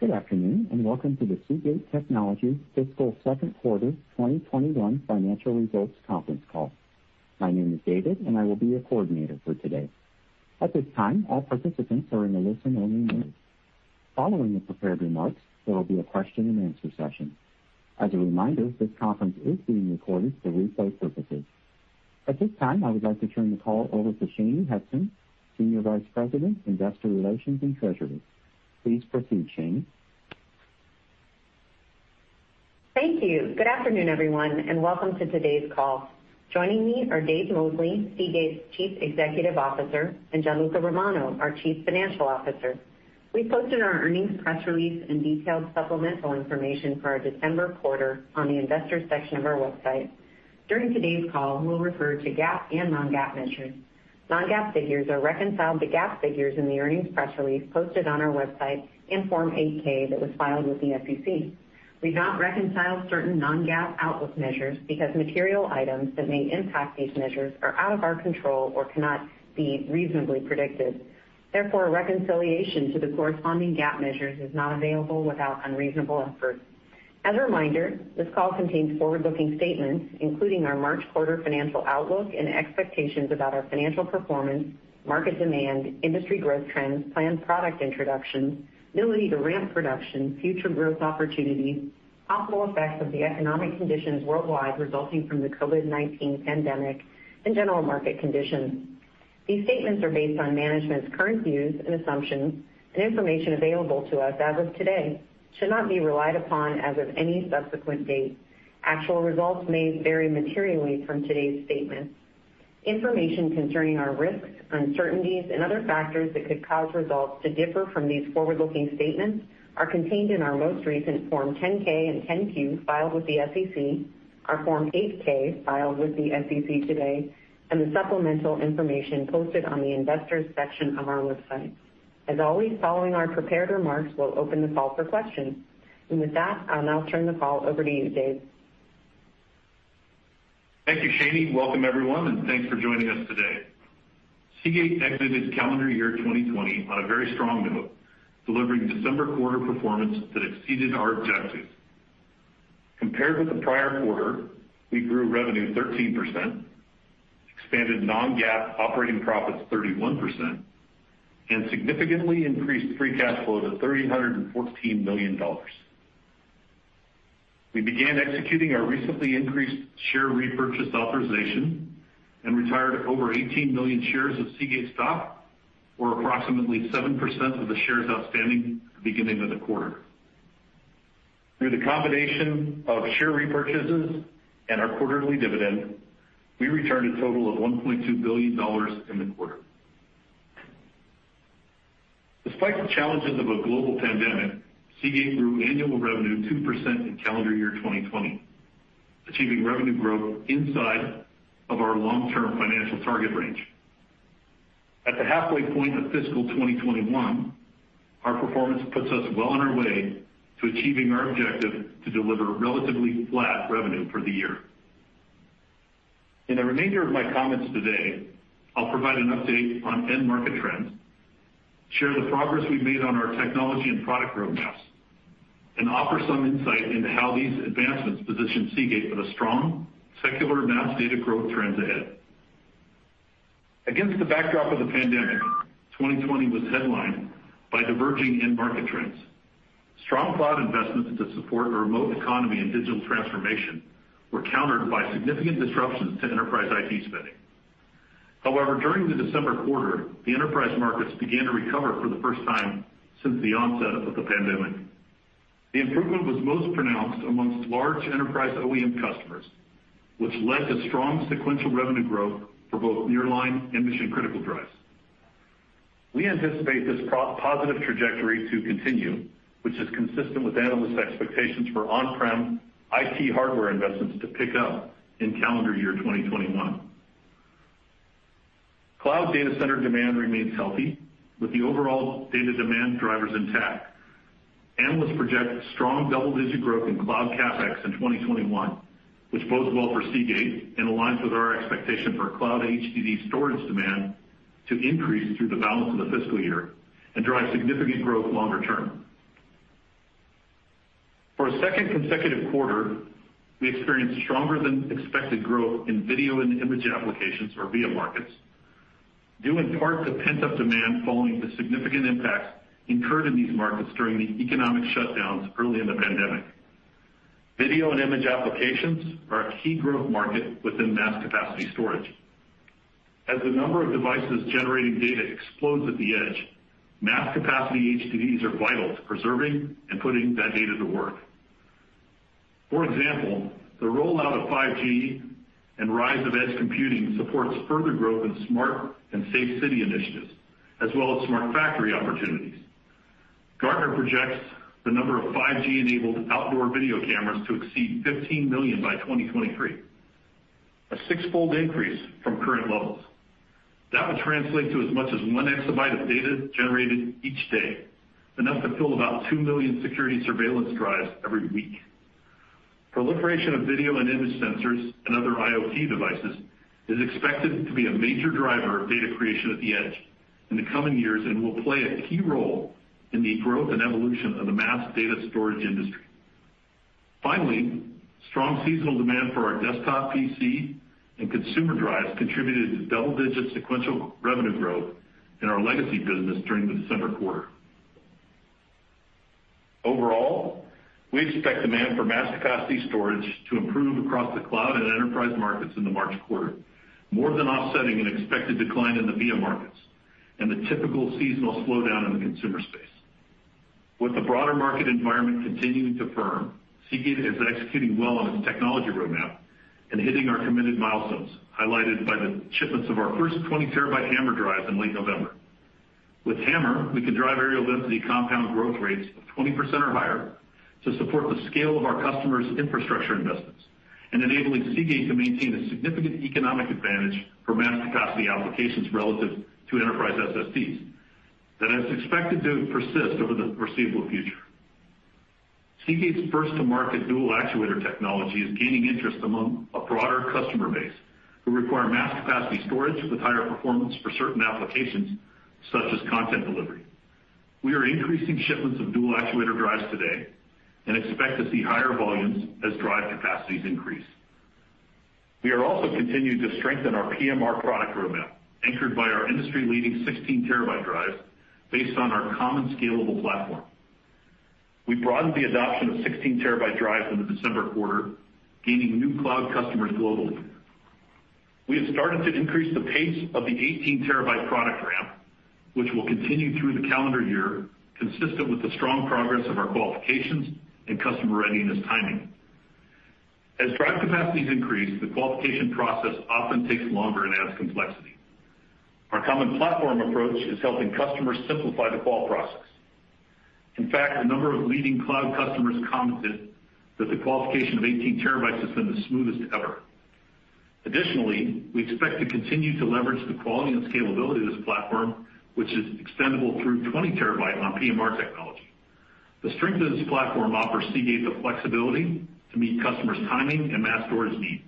Good afternoon, welcome to the Seagate Technology fiscal second quarter 2021 financial results conference call. My name is David, and I will be your coordinator for today. At this time, all participants are in a listen-only mode. Following the prepared remarks, there will be a question-and-answer session. As a reminder, this conference is being recorded for replay purposes. At this time, I would like to turn the call over to Shanye Hudson, Senior Vice President, Investor Relations and Treasury. Please proceed, Shanye. Thank you. Good afternoon, everyone, and welcome to today's call. Joining me are Dave Mosley, Seagate's Chief Executive Officer, and Gianluca Romano, our Chief Financial Officer. We posted our earnings press release and detailed supplemental information for our December quarter on the Investors section of our website. During today's call, we'll refer to GAAP and non-GAAP measures. Non-GAAP figures are reconciled to GAAP figures in the earnings press release posted on our website in Form 8-K that was filed with the SEC. We've not reconciled certain non-GAAP outlook measures because material items that may impact these measures are out of our control or cannot be reasonably predicted. Therefore, a reconciliation to the corresponding GAAP measures is not available without unreasonable effort. As a reminder, this call contains forward-looking statements, including our March quarter financial outlook and expectations about our financial performance, market demand, industry growth trends, planned product introductions, ability to ramp production, future growth opportunities, possible effects of the economic conditions worldwide resulting from the COVID-19 pandemic, and general market conditions. These statements are based on management's current views and assumptions and information available to us as of today, should not be relied upon as of any subsequent date. Actual results may vary materially from today's statements. Information concerning our risks, uncertainties, and other factors that could cause results to differ from these forward-looking statements are contained in our most recent Form 10-K and 10-Q filed with the SEC, our Form 8-K filed with the SEC today, and the supplemental information posted on the Investors section of our website. As always, following our prepared remarks, we will open the call for questions. With that, I will now turn the call over to you, Dave. Thank you, Shanye. Welcome, everyone, and thanks for joining us today. Seagate exited calendar year 2020 on a very strong note, delivering December quarter performance that exceeded our objectives. Compared with the prior quarter, we grew revenue 13%, expanded non-GAAP operating profits 31%, and significantly increased free cash flow to $314 million. We began executing our recently increased share repurchase authorization and retired over 18 million shares of Seagate stock, or approximately 7% of the shares outstanding at the beginning of the quarter. Through the combination of share repurchases and our quarterly dividend, we returned a total of $1.2 billion in the quarter. Despite the challenges of a global pandemic, Seagate grew annual revenue 2% in calendar year 2020, achieving revenue growth inside of our long-term financial target range. At the halfway point of fiscal 2021, our performance puts us well on our way to achieving our objective to deliver relatively flat revenue for the year. In the remainder of my comments today, I'll provide an update on end market trends, share the progress we've made on our technology and product roadmaps, and offer some insight into how these advancements position Seagate for the strong secular mass data growth trends ahead. Against the backdrop of the pandemic, 2020 was headlined by diverging end market trends. Strong cloud investments to support a remote economy and digital transformation were countered by significant disruptions to enterprise IT spending. However, during the December quarter, the enterprise markets began to recover for the first time since the onset of the pandemic. The improvement was most pronounced amongst large enterprise OEM customers, which led to strong sequential revenue growth for both nearline and mission-critical drives. We anticipate this positive trajectory to continue, which is consistent with analysts' expectations for on-prem IT hardware investments to pick up in calendar year 2021. Cloud data center demand remains healthy, with the overall data demand drivers intact. Analysts project strong double-digit growth in cloud CapEx in 2021, which bodes well for Seagate and aligns with our expectation for cloud HDD storage demand to increase through the balance of the fiscal year and drive significant growth longer term. For a second consecutive quarter, we experienced stronger-than-expected growth in video and image applications or VIA markets, due in part to pent-up demand following the significant impacts incurred in these markets during the economic shutdowns early in the pandemic. Video and image applications are a key growth market within mass capacity storage. As the number of devices generating data explodes at the edge, mass capacity HDDs are vital to preserving and putting that data to work. For example, the rollout of 5G and rise of edge computing supports further growth in smart and safe city initiatives, as well as smart factory opportunities. Gartner projects the number of 5G-enabled outdoor video cameras to exceed 15 million by 2023, a sixfold increase from current levels. That would translate to as much as one exabyte of data generated each day, enough to fill about two million security surveillance drives every week. Proliferation of video and image sensors and other IoT devices is expected to be a major driver of data creation at the edge in the coming years and will play a key role in the growth and evolution of the mass data storage industry. Finally, strong seasonal demand for our desktop PC and consumer drives contributed to double-digit sequential revenue growth in our legacy business during the December quarter. Overall, we expect demand for mass capacity storage to improve across the cloud and enterprise markets in the March quarter, more than offsetting an expected decline in the OEM markets and the typical seasonal slowdown in the consumer space. With the broader market environment continuing to firm, Seagate is executing well on its technology roadmap and hitting our committed milestones, highlighted by the shipments of our first 20-TB HAMR drives in late November. With HAMR, we can drive areal density compound growth rates of 20% or higher to support the scale of our customers' infrastructure investments and enabling Seagate to maintain a significant economic advantage for mass capacity applications relative to enterprise SSDs. That is expected to persist over the foreseeable future. Seagate's first-to-market dual actuator technology is gaining interest among a broader customer base who require mass capacity storage with higher performance for certain applications such as content delivery. We are increasing shipments of dual actuator drives today and expect to see higher volumes as drive capacities increase. We are also continuing to strengthen our PMR product roadmap, anchored by our industry-leading 16-TB drives based on our common scalable platform. We broadened the adoption of 16-TB drives in the December quarter, gaining new cloud customers globally. We have started to increase the pace of the 18-TB product ramp, which will continue through the calendar year, consistent with the strong progress of our qualifications and customer readiness timing. As drive capacities increase, the qualification process often takes longer and adds complexity. Our common platform approach is helping customers simplify the qual process. In fact, a number of leading cloud customers commented that the qualification of 18 TB has been the smoothest ever. Additionally, we expect to continue to leverage the quality and scalability of this platform, which is extendable through 20 TB on PMR technology. The strength of this platform offers Seagate the flexibility to meet customers' timing and mass storage needs.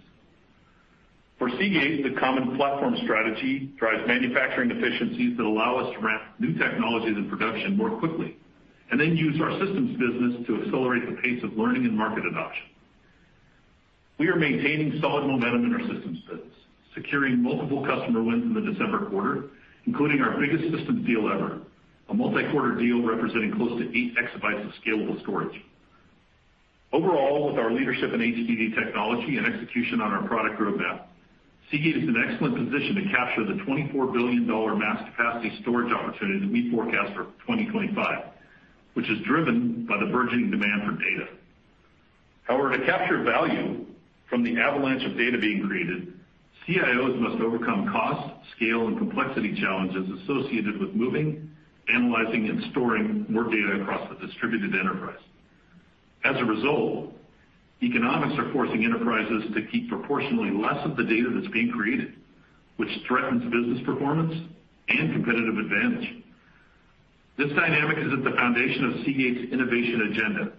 For Seagate, the common platform strategy drives manufacturing efficiencies that allow us to ramp new technologies and production more quickly, and then use our systems business to accelerate the pace of learning and market adoption. We are maintaining solid momentum in our systems business, securing multiple customer wins in the December quarter, including our biggest systems deal ever, a multi-quarter deal representing close to 8 exabytes of scalable storage. Overall, with our leadership in HDD technology and execution on our product roadmap, Seagate is in an excellent position to capture the $24 billion mass capacity storage opportunity that we forecast for 2025, which is driven by the burgeoning demand for data. To capture value from the avalanche of data being created, CIOs must overcome cost, scale, and complexity challenges associated with moving, analyzing, and storing more data across the distributed enterprise. Economics are forcing enterprises to keep proportionally less of the data that's being created, which threatens business performance and competitive advantage. This dynamic is at the foundation of Seagate's innovation agenda.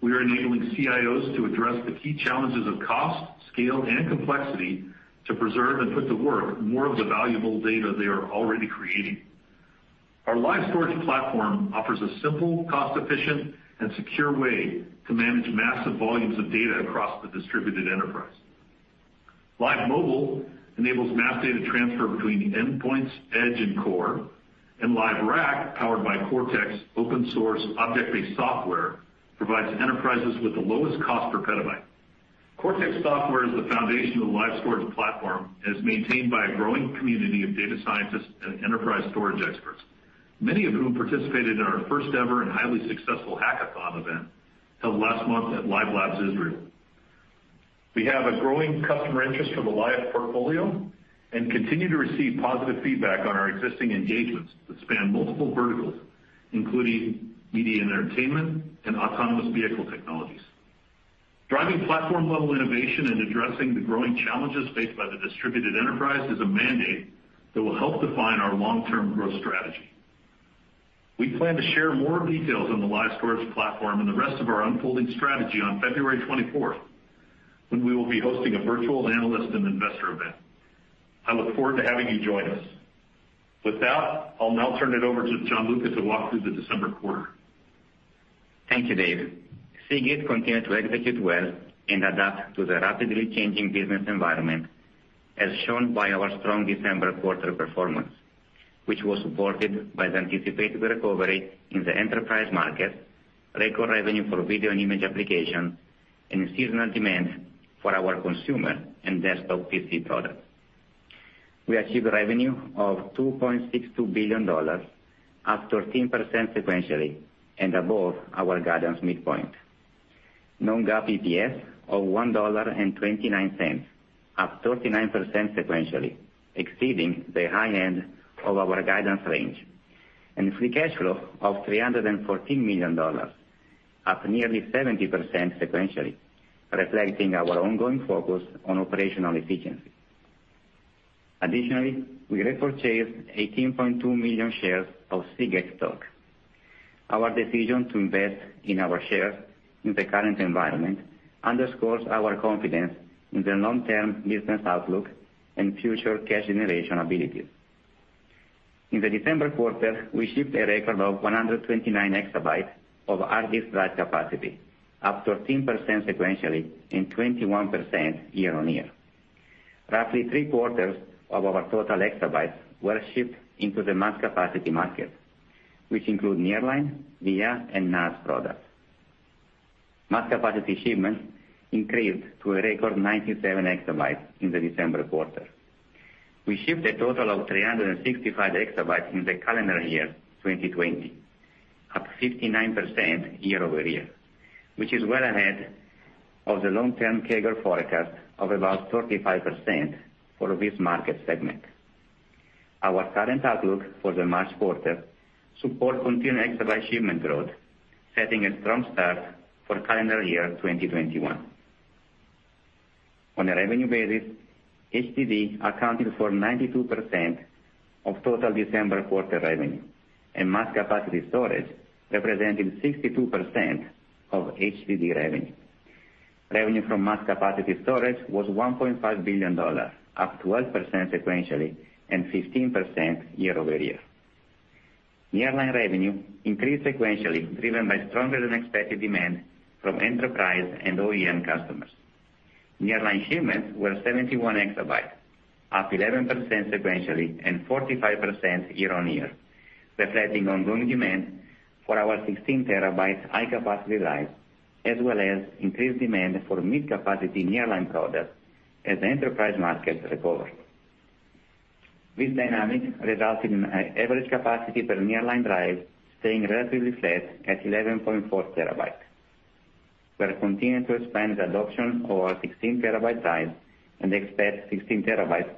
We are enabling CIOs to address the key challenges of cost, scale, and complexity to preserve and put to work more of the valuable data they are already creating. Our Lyve Storage platform offers a simple, cost-efficient, and secure way to manage massive volumes of data across the distributed enterprise. Lyve Mobile enables mass data transfer between endpoints, edge, and core, and Lyve Rack, powered by CORTX open source object-based software, provides enterprises with the lowest cost per petabyte. CORTX software is the foundation of the Lyve Storage platform and is maintained by a growing community of data scientists and enterprise storage experts, many of whom participated in our first ever and highly successful hackathon event held last month at Lyve Labs Israel. We have a growing customer interest for the Lyve portfolio and continue to receive positive feedback on our existing engagements that span multiple verticals, including media and entertainment and autonomous vehicle technologies. Driving platform-level innovation and addressing the growing challenges faced by the distributed enterprise is a mandate that will help define our long-term growth strategy. We plan to share more details on the Lyve Storage platform and the rest of our unfolding strategy on February 24th, when we will be hosting a virtual analyst and investor event. I look forward to having you join us. With that, I'll now turn it over to Gianluca to walk through the December quarter. Thank you, Dave. Seagate continued to execute well and adapt to the rapidly changing business environment, as shown by our strong December quarter performance, which was supported by the anticipated recovery in the enterprise market, record revenue for video and image applications, and seasonal demand for our consumer and desktop PC products. We achieved revenue of $2.62 billion, up 13% sequentially and above our guidance midpoint. Non-GAAP EPS of $1.29, up 39% sequentially, exceeding the high end of our guidance range. Free cash flow of $314 million, up nearly 70% sequentially, reflecting our ongoing focus on operational efficiency. Additionally, we repurchased 18.2 million shares of Seagate stock. Our decision to invest in our shares in the current environment underscores our confidence in the long-term business outlook and future cash generation abilities. In the December quarter, we shipped a record of 129 exabytes of hard disk drive capacity, up 13% sequentially and 21% year-on-year. Roughly three quarters of our total exabytes were shipped into the mass capacity market, which include Nearline, VIA, and NAS products. Mass capacity shipments increased to a record 97 exabytes in the December quarter. We shipped a total of 365 exabytes in the calendar year 2020, up 59% year-over-year, which is well ahead of the long-term CAGR forecast of about 35% for this market segment. Our current outlook for the March quarter supports continued exabyte shipment growth, setting a strong start for calendar year 2021. On a revenue basis, HDD accounted for 92% of total December quarter revenue, and mass capacity storage represented 62% of HDD revenue. Revenue from mass capacity storage was $1.5 billion, up 12% sequentially and 15% year-over-year. Nearline revenue increased sequentially, driven by stronger than expected demand from enterprise and OEM customers. Nearline shipments were 71 exabytes, up 11% sequentially and 45% year-on-year, reflecting ongoing demand for our 16 TB high-capacity drives, as well as increased demand for mid-capacity nearline products as the enterprise market recovered. This dynamic resulted in an average capacity per nearline drive staying relatively flat at 11.4 TB. We are continuing to expand the adoption of our 16 TB drives and expect 16 TB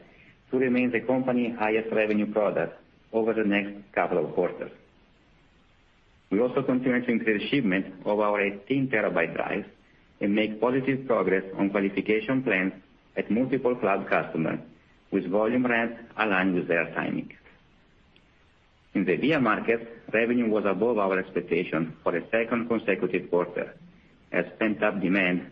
to remain the company highest revenue product over the next couple of quarters. We also continue to increase shipment of our 18 TB drives and make positive progress on qualification plans at multiple cloud customers, with volume ramps aligned with their timing. In the Lyve market, revenue was above our expectation for a second consecutive quarter as pent-up demand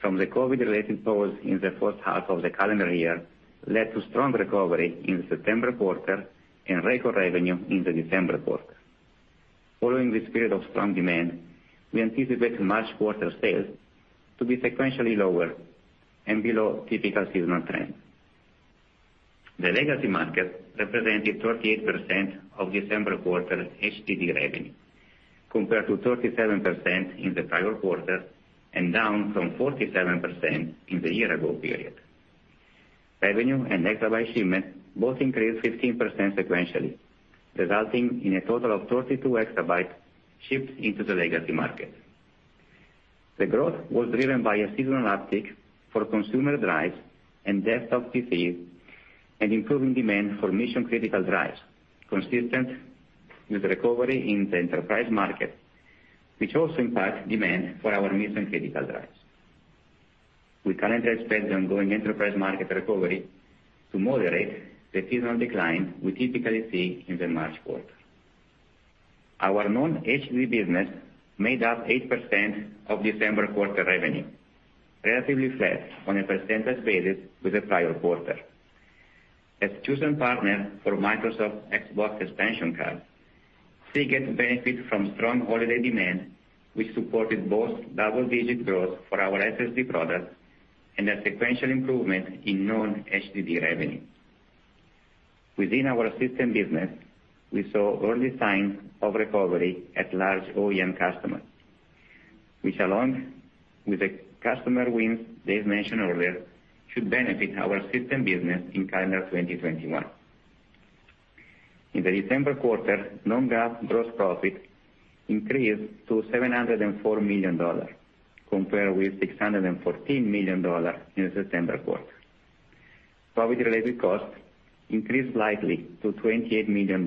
from the COVID-19-related pause in the first half of the calendar year led to strong recovery in the September quarter and record revenue in the December quarter. Following this period of strong demand, we anticipate March quarter sales to be sequentially lower and below typical seasonal trends. The legacy market represented 38% of December quarter HDD revenue, compared to 37% in the prior quarter and down from 47% in the year-ago period. Revenue and exabyte shipments both increased 15% sequentially, resulting in a total of 32 exabytes shipped into the legacy market. The growth was driven by a seasonal uptick for consumer drives and desktop PCs and improving demand for mission-critical drives, consistent with recovery in the enterprise market, which also impacts demand for our mission-critical drives. We currently expect the ongoing enterprise market recovery to moderate the seasonal decline we typically see in the March quarter. Our non-HDD business made up 8% of December quarter revenue, relatively flat on a percentage basis with the prior quarter. As chosen partner for Microsoft Xbox Expansion Card, Seagate benefited from strong holiday demand, which supported both double-digit growth for our SSD products and a sequential improvement in non-HDD revenue. Within our system business, we saw early signs of recovery at large OEM customers, which along with the customer wins Dave mentioned earlier, should benefit our system business in calendar 2021. In the December quarter, non-GAAP gross profit increased to $704 million, compared with $614 million in the September quarter. COVID-related costs increased slightly to $28 million,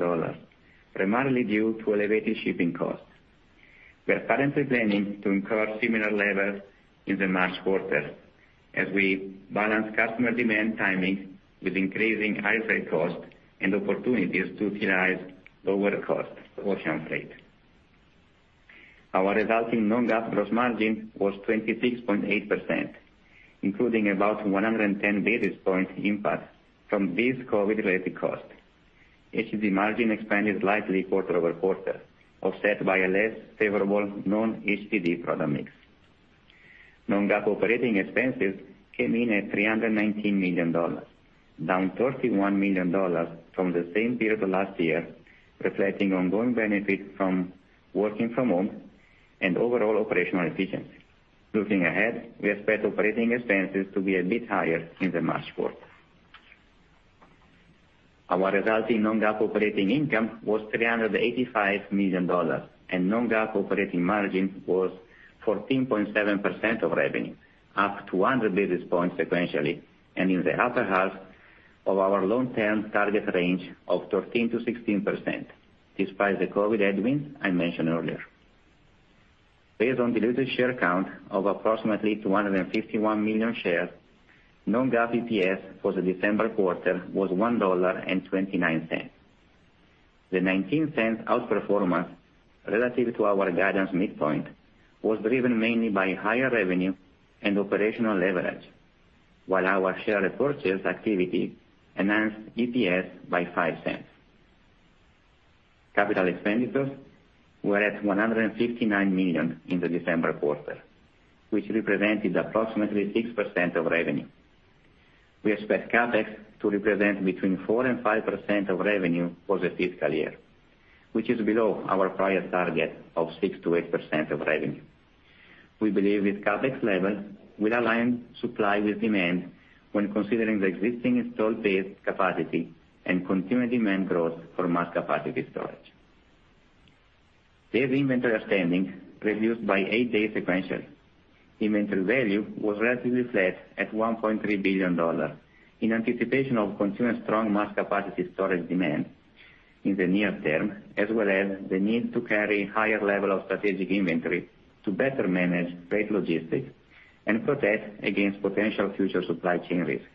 primarily due to elevated shipping costs. We are currently planning to incur similar levels in the March quarter as we balance customer demand timing with increasing high freight costs and opportunities to utilize lower cost ocean freight. Our resulting non-GAAP gross margin was 26.8%, including about 110 basis points impact from these COVID-19-related costs. HDD margin expanded slightly quarter-over-quarter, offset by a less favorable non-HDD product mix. Non-GAAP operating expenses came in at $319 million, down $31 million from the same period last year, reflecting ongoing benefit from working from home and overall operational efficiency. Looking ahead, we expect operating expenses to be a bit higher in the March quarter. Our resulting non-GAAP operating income was $385 million and non-GAAP operating margin was 14.7% of revenue, up 200 basis points sequentially and in the upper half of our long-term target range of 13%-16%, despite the COVID headwinds I mentioned earlier. Based on diluted share count of approximately 251 million shares, non-GAAP EPS for the December quarter was $1.29. The $0.19 outperformance relative to our guidance midpoint was driven mainly by higher revenue and operational leverage, while our share repurchase activity enhanced EPS by $0.05. Capital expenditures were at $159 million in the December quarter, which represented approximately 6% of revenue. We expect CapEx to represent between 4% and 5% of revenue for the fiscal year, which is below our prior target of 6%-8% of revenue. We believe this CapEx level will align supply with demand when considering the existing installed base capacity and continued demand growth for mass-capacity storage. Days inventory outstanding reduced by eight days sequentially. Inventory value was relatively flat at $1.3 billion in anticipation of continuing strong mass-capacity storage demand in the near term, as well as the need to carry higher level of strategic inventory to better manage freight logistics and protect against potential future supply chain risk.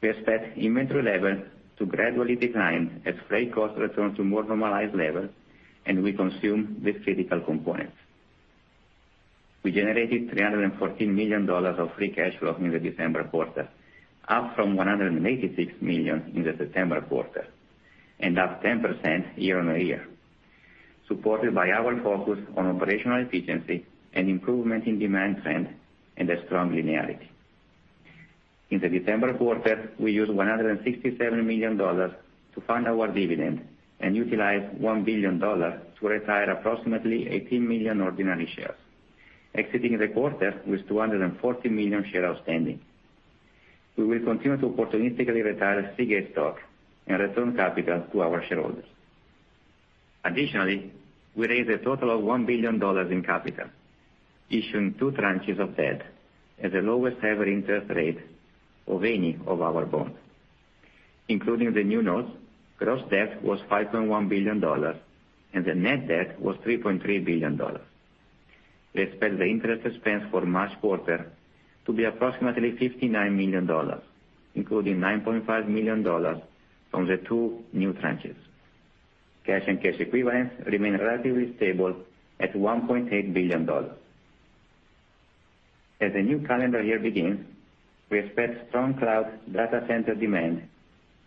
We expect inventory levels to gradually decline as freight costs return to more normalized levels and we consume the critical components. We generated $314 million of free cash flow in the December quarter, up from $186 million in the September quarter, and up 10% year-on-year, supported by our focus on operational efficiency and improvement in demand trend and a strong linearity. In the December quarter, we used $167 million to fund our dividend and utilized $1 billion to retire approximately 18 million ordinary shares, exiting the quarter with 240 million shares outstanding. We will continue to opportunistically retire Seagate stock and return capital to our shareholders. Additionally, we raised a total of $1 billion in capital, issuing two tranches of debt at the lowest-ever interest rate of any of our bonds. Including the new notes, gross debt was $5.1 billion and the net debt was $3.3 billion. We expect the interest expense for March quarter to be approximately $59 million, including $9.5 million from the two new tranches. Cash and cash equivalents remain relatively stable at $1.8 billion. As the new calendar year begins, we expect strong cloud data center demand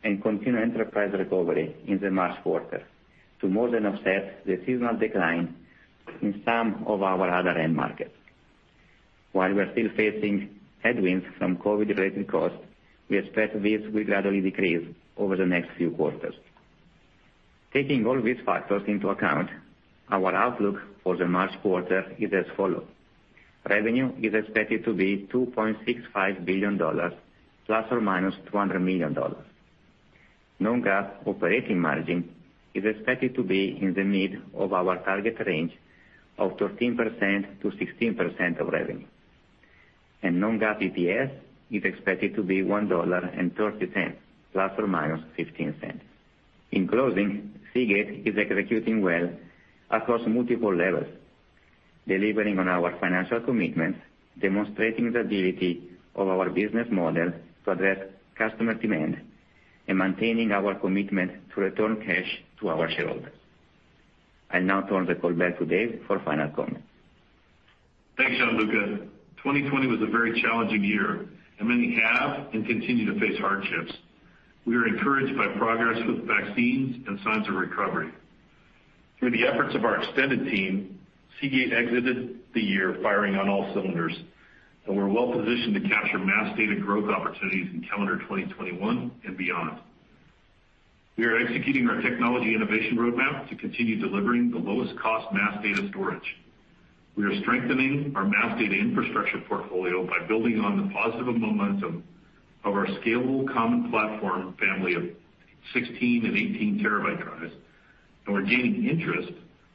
and continued enterprise recovery in the March quarter to more than offset the seasonal decline in some of our other end markets. We are still facing headwinds from COVID-related costs, we expect this will gradually decrease over the next few quarters. Taking all these factors into account, our outlook for the March quarter is as follows. Revenue is expected to be $2.65 billion ± $200 million. Non-GAAP operating margin is expected to be in the mid of our target range of 13%-16% of revenue, and non-GAAP EPS is expected to be $1.30 ± $0.15. In closing, Seagate is executing well across multiple levels, delivering on our financial commitments, demonstrating the ability of our business model to address customer demand, and maintaining our commitment to return cash to our shareholders. I'll now turn the call back to Dave for final comments. Thanks, Gianluca. 2020 was a very challenging year. Many have and continue to face hardships. We are encouraged by progress with vaccines and signs of recovery. Through the efforts of our extended team, Seagate exited the year firing on all cylinders. We're well-positioned to capture mass data growth opportunities in calendar 2021 and beyond. We are executing our technology innovation roadmap to continue delivering the lowest cost mass data storage. We are strengthening our mass data infrastructure portfolio by building on the positive momentum of our scalable common platform family of 16 and 18 TB drives. We're gaining interest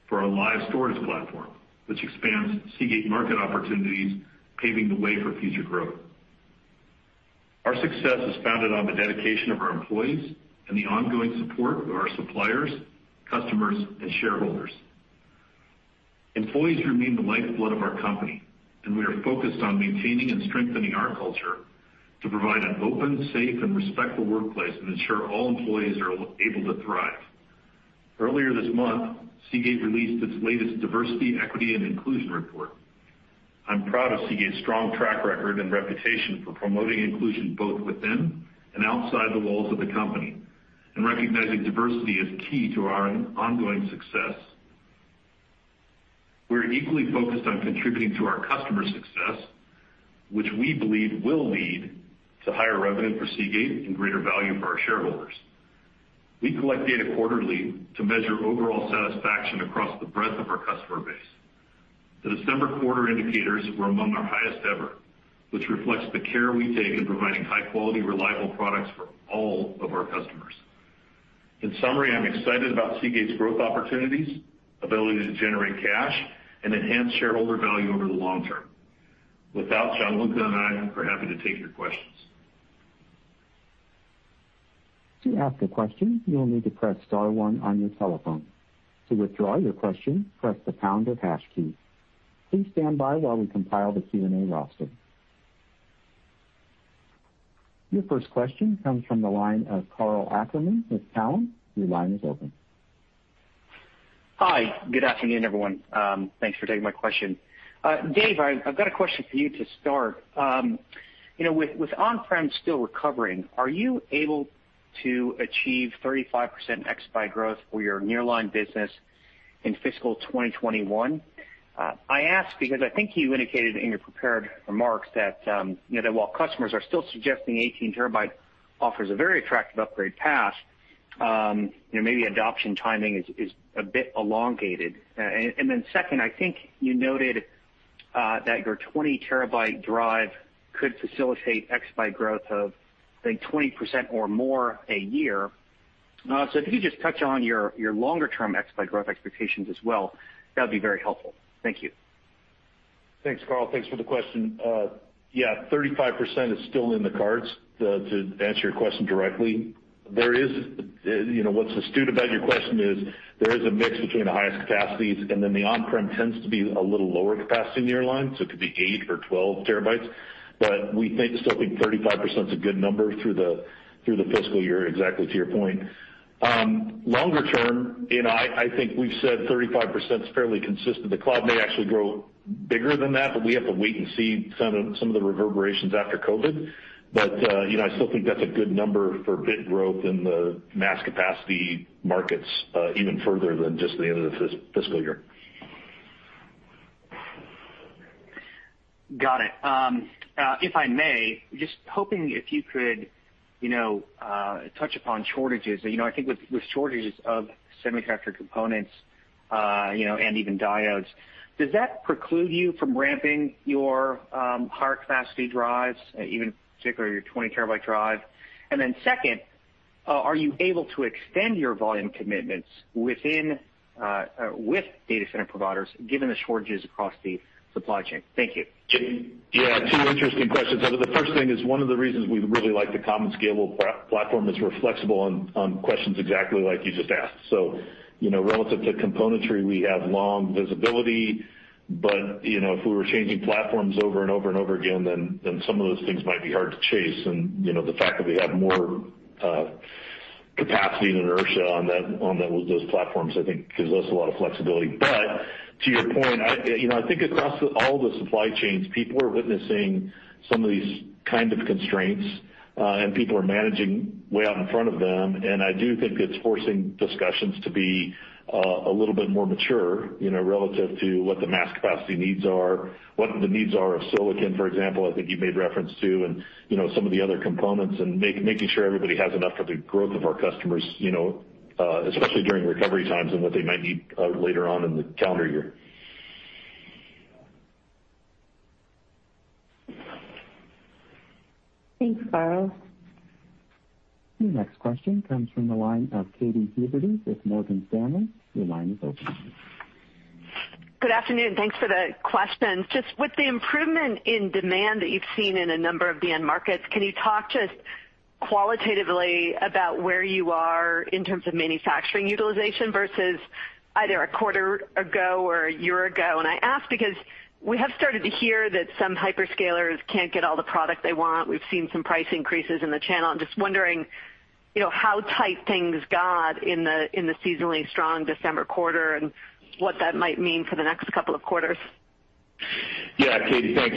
for our Lyve Storage platform, which expands Seagate market opportunities, paving the way for future growth. Our success is founded on the dedication of our employees and the ongoing support of our suppliers, customers, and shareholders. Employees remain the lifeblood of our company, and we are focused on maintaining and strengthening our culture to provide an open, safe, and respectful workplace and ensure all employees are able to thrive. Earlier this month, Seagate released its latest diversity, equity, and inclusion report. I'm proud of Seagate's strong track record and reputation for promoting inclusion both within and outside the walls of the company, and recognizing diversity as key to our ongoing success. We're equally focused on contributing to our customers' success, which we believe will lead to higher revenue for Seagate and greater value for our shareholders. We collect data quarterly to measure overall satisfaction across the breadth of our customer base. The December quarter indicators were among our highest ever, which reflects the care we take in providing high quality, reliable products for all of our customers. In summary, I'm excited about Seagate's growth opportunities, ability to generate cash, and enhance shareholder value over the long term. With that, Gianluca and I are happy to take your questions. To ask a question you will need to press star one on your telephone. To withdraw your question press the pound or hash key. Please standby while we combine the Q&A roster. Your first question comes from the line of Karl Ackerman with Cowen. Your line is open. Hi. Good afternoon, everyone. Thanks for taking my question. Dave, I've got a question for you to start. With on-prem still recovering, are you able to achieve 35% ex-by growth for your nearline business in fiscal 2021? I ask because I think you indicated in your prepared remarks that while customers are still suggesting 18 TB offers a very attractive upgrade path, maybe adoption timing is a bit elongated. Second, I think you noted that your 20 TB drive could facilitate ex-by growth of, say, 20% or more a year. If you could just touch on your longer term ex-by growth expectations as well, that would be very helpful? Thank you. Thanks, Karl. Thanks for the question. Yeah, 35% is still in the cards, to answer your question directly. What's astute about your question is there is a mix between the highest capacities, and then the on-prem tends to be a little lower capacity nearline, so it could be 8 or 12 TB. We still think 35%'s a good number through the fiscal year, exactly to your point. Longer term, I think we've said 35% is fairly consistent. The cloud may actually grow bigger than that, but we have to wait and see some of the reverberations after COVID. I still think that's a good number for bit growth in the mass capacity markets even further than just the end of the fiscal year. Got it. If I may, just hoping if you could touch upon shortages. I think with shortages of semiconductor components and even diodes, does that preclude you from ramping your higher capacity drives, even particularly your 20 TB drive? Then second, are you able to extend your volume commitments with data center providers, given the shortages across the supply chain? Thank you. Yeah. Two interesting questions. The first thing is one of the reasons we really like the common scalable platform is we're flexible on questions exactly like you just asked. Relative to componentry, we have long visibility, but if we were changing platforms over and over and over again, then some of those things might be hard to chase. The fact that we have more capacity and inertia on those platforms, I think gives us a lot of flexibility. To your point, I think across all the supply chains, people are witnessing some of these kind of constraints, and people are managing way out in front of them. I do think it's forcing discussions to be a little bit more mature, relative to what the mass capacity needs are, what the needs are of silicon, for example, I think you made reference to, and some of the other components, and making sure everybody has enough for the growth of our customers, especially during recovery times and what they might need later on in the calendar year. Thanks, Karl. The next question comes from the line of Katy Huberty with Morgan Stanley. Your line is open. Good afternoon. Thanks for the questions. Just with the improvement in demand that you've seen in a number of the end markets, can you talk to us qualitatively about where you are in terms of manufacturing utilization versus either a quarter ago or a year ago? I ask because we have started to hear that some hyperscalers can't get all the product they want. We've seen some price increases in the channel. I'm just wondering how tight things got in the seasonally strong December quarter, and what that might mean for the next couple of quarters? Yeah, Katy, thanks.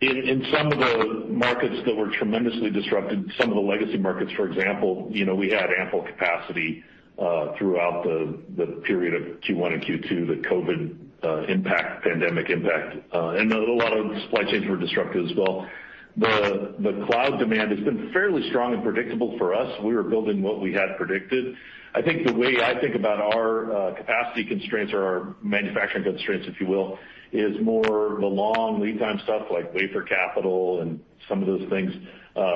In some of the markets that were tremendously disrupted, some of the legacy markets, for example, we had ample capacity throughout the period of Q1 and Q2, the COVID pandemic impact. A lot of supply chains were disrupted as well. The cloud demand has been fairly strong and predictable for us. We were building what we had predicted. I think the way I think about our capacity constraints or our manufacturing constraints, if you will, is more the long lead time stuff like wafer capital and some of those things,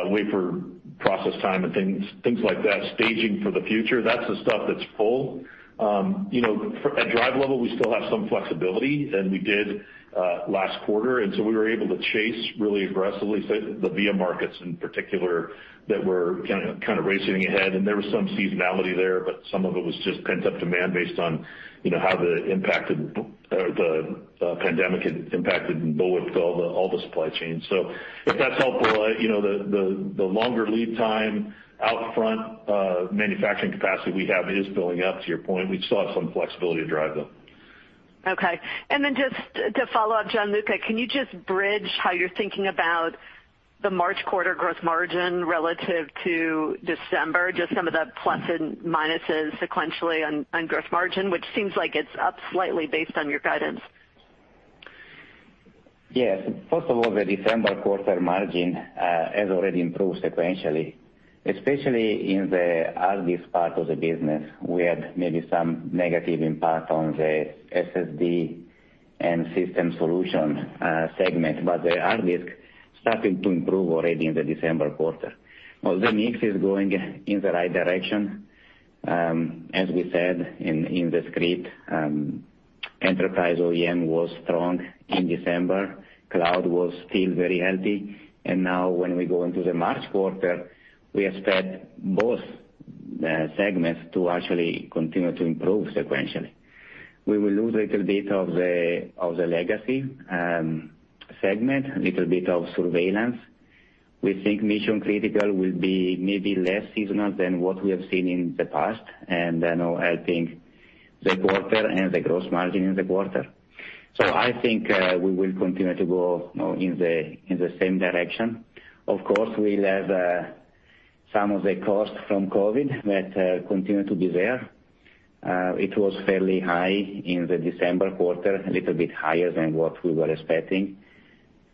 wafer process time and things like that, staging for the future. That's the stuff that's full. At drive level, we still have some flexibility than we did last quarter, so we were able to chase really aggressively the OEM markets in particular that were kind of racing ahead. There was some seasonality there, but some of it was just pent-up demand based on how the pandemic had impacted and buoyed all the supply chains. If that's helpful, the longer lead time out front manufacturing capacity we have is filling up, to your point. We still have some flexibility to drive, though. Okay. Just to follow up, Gianluca, can you just bridge how you're thinking about the March quarter gross margin relative to December, just some of the plus and minuses sequentially on gross margin, which seems like it's up slightly based on your guidance? Yes. First of all, the December quarter margin has already improved sequentially, especially in the hard disk part of the business. We had maybe some negative impact on the SSD and system solution segment. The hard disk is starting to improve already in the December quarter. The mix is going in the right direction. As we said in the script Enterprise OEM was strong in December. Cloud was still very healthy. Now when we go into the March quarter, we expect both segments to actually continue to improve sequentially. We will lose a little bit of the legacy segment, a little bit of surveillance. We think mission-critical will be maybe less seasonal than what we have seen in the past, and I think the quarter and the gross margin in the quarter. I think we will continue to go in the same direction. Of course, we'll have some of the cost from COVID that continue to be there. It was fairly high in the December quarter, a little bit higher than what we were expecting,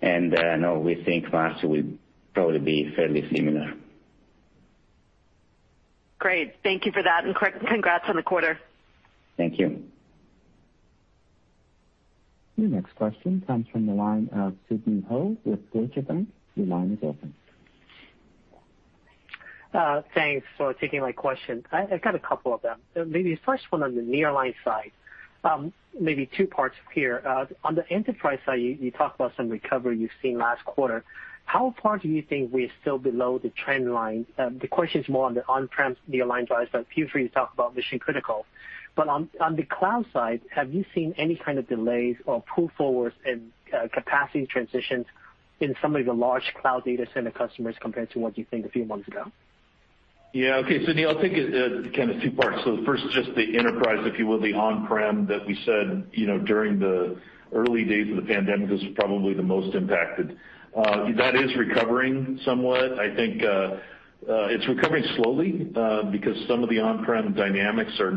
and now we think March will probably be fairly similar. Great. Thank you for that. Congrats on the quarter. Thank you. Your next question comes from the line of Sidney Ho with Deutsche Bank. Your line is open. Thanks for taking my question. I've got a couple of them. The first one on the Nearline side. Two parts here. On the enterprise side, you talked about some recovery you have seen last quarter. How far do you think we are still below the trend line? The question is more on the on-prem Nearline drives, but previously you talked about mission-critical. On the cloud side, have you seen any kind of delays or pull forwards in capacity transitions in some of the large cloud data center customers compared to what you think a few months ago? Okay, Sidney, I'll take it, kind of two parts. First, just the enterprise, if you will, the on-prem that we said during the early days of the pandemic, this was probably the most impacted. That is recovering somewhat. I think it's recovering slowly, because some of the on-prem dynamics have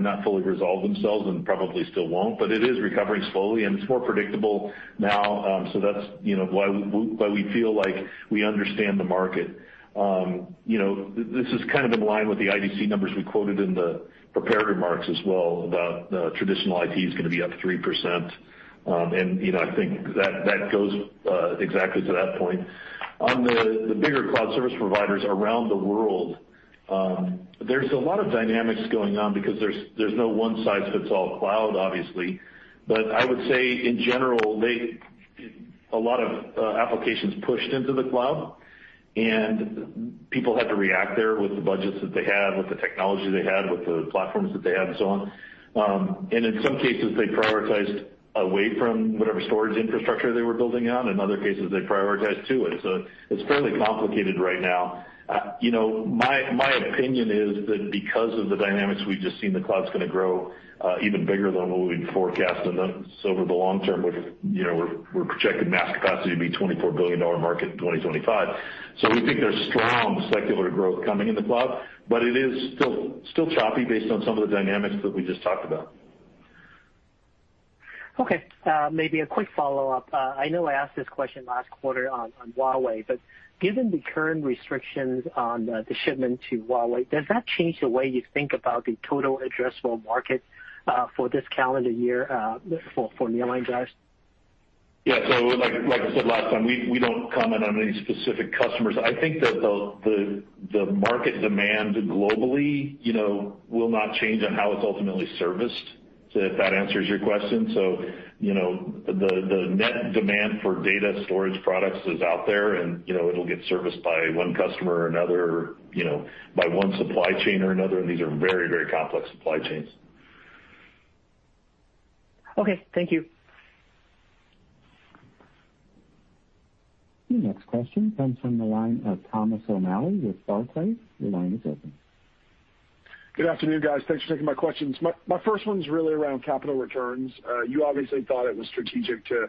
not fully resolved themselves and probably still won't, but it is recovering slowly, and it's more predictable now. That's why we feel like we understand the market. This is kind of in line with the IDC numbers we quoted in the prepared remarks as well, about traditional IT is going to be up 3%. I think that goes exactly to that point. On the bigger cloud service providers around the world, there's a lot of dynamics going on because there's no one-size-fits-all cloud, obviously. I would say in general, a lot of applications pushed into the cloud, and people had to react there with the budgets that they had, with the technology they had, with the platforms that they had, and so on. In some cases, they prioritized away from whatever storage infrastructure they were building on. In other cases, they prioritized to it. It's fairly complicated right now. My opinion is that because of the dynamics we've just seen, the cloud's going to grow even bigger than what we've forecasted. Over the long term, we're projecting mass capacity to be a $24 billion market in 2025. We think there's strong secular growth coming in the cloud, but it is still choppy based on some of the dynamics that we just talked about. Okay. Maybe a quick follow-up. I know I asked this question last quarter on Huawei. Given the current restrictions on the shipment to Huawei, does that change the way you think about the total addressable market for this calendar year for Nearline drives? Yeah. Like I said last time, we don't comment on any specific customers. I think that the market demand globally will not change on how it's ultimately serviced, if that answers your question. The net demand for data storage products is out there, and it'll get serviced by one customer or another, by one supply chain or another, and these are very, very complex supply chains. Okay. Thank you. Your next question comes from the line of Thomas O'Malley with Barclays. Your line is open. Good afternoon, guys. Thanks for taking my questions. My first one's really around capital returns. You obviously thought it was strategic to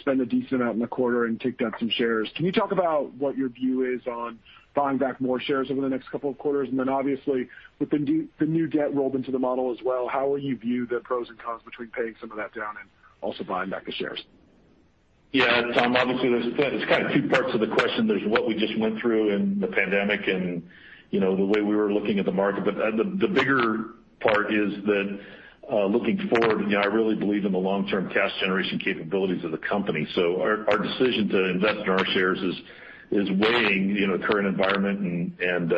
spend a decent amount in the quarter and take down some shares. Can you talk about what your view is on buying back more shares over the next couple of quarters? Obviously with the new debt rolled into the model as well, how will you view the pros and cons between paying some of that down and also buying back the shares? Tom, obviously, there's kind of two parts to the question. There's what we just went through in the pandemic and the way we were looking at the market. The bigger part is that looking forward, I really believe in the long-term cash generation capabilities of the company. Our decision to invest in our shares is weighing current environment and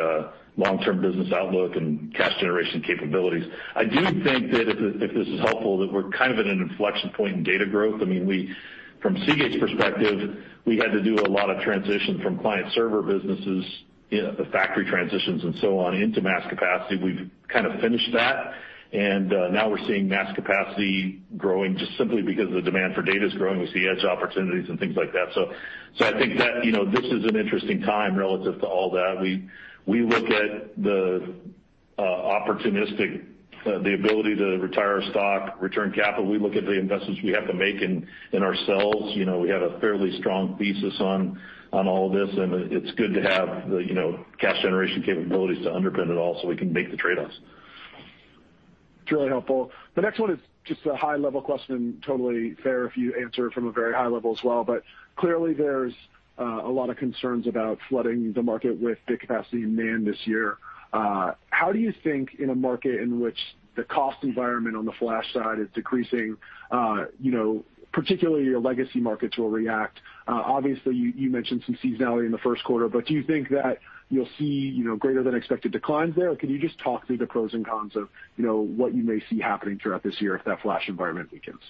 long-term business outlook and cash generation capabilities. I do think that, if this is helpful, that we're kind of at an inflection point in data growth. I mean, from Seagate's perspective, we had to do a lot of transition from client server businesses, the factory transitions, and so on, into mass capacity. We've kind of finished that, and now we're seeing mass capacity growing just simply because the demand for data is growing. We see edge opportunities and things like that. I think that this is an interesting time relative to all that. We look at the opportunistic, the ability to retire stock, return capital. We look at the investments we have to make in ourselves. We have a fairly strong thesis on all of this, and it's good to have the cash generation capabilities to underpin it all so we can make the trade-offs. It's really helpful. The next one is just a high-level question, totally fair if you answer it from a very high level as well. Clearly, there's a lot of concerns about flooding the market with big capacity NAND this year. How do you think in a market in which the cost environment on the flash side is decreasing, particularly your legacy markets will react? Obviously, you mentioned some seasonality in the first quarter. Do you think that you'll see greater than expected declines there, or can you just talk through the pros and cons of what you may see happening throughout this year if that flash environment weakens?